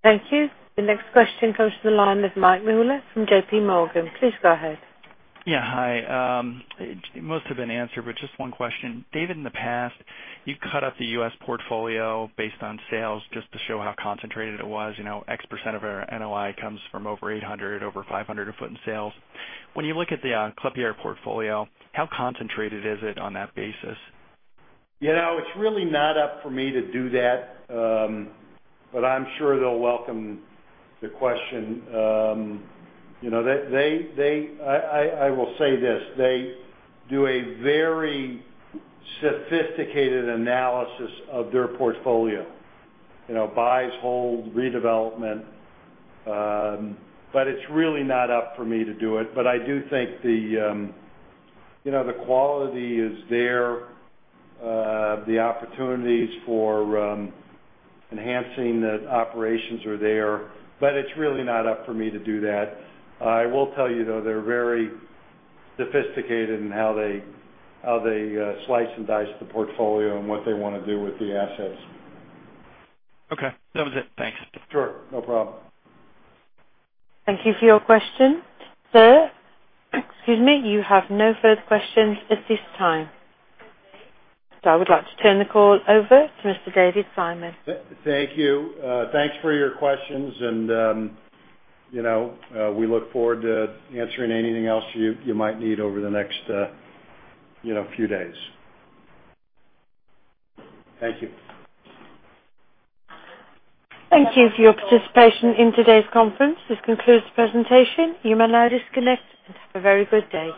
[SPEAKER 1] Thank you. The next question comes from the line of Michael Mueller from J.P. Morgan. Please go ahead.
[SPEAKER 23] Yeah. Hi. Most have been answered, but just one question. David, in the past, you cut out the U.S. portfolio based on sales just to show how concentrated it was, X% of our NOI comes from over $800, over $500 a foot in sales. When you look at the Klépierre portfolio, how concentrated is it on that basis?
[SPEAKER 3] It's really not up for me to do that. I'm sure they'll welcome the question. I will say this. They do a very sophisticated analysis of their portfolio. Buys, hold, redevelopment. It's really not up for me to do it. I do think the quality is there. The opportunities for enhancing the operations are there, but it's really not up for me to do that. I will tell you, though, they're very sophisticated in how they slice and dice the portfolio and what they want to do with the assets.
[SPEAKER 23] Okay. That was it. Thanks.
[SPEAKER 3] Sure. No problem.
[SPEAKER 1] Thank you for your question. Sir, excuse me, you have no further questions at this time. I would like to turn the call over to Mr. David Simon.
[SPEAKER 3] Thank you. Thanks for your questions, and we look forward to answering anything else you might need over the next few days. Thank you.
[SPEAKER 1] Thank you for your participation in today's conference. This concludes the presentation. You may now disconnect, and have a very good day.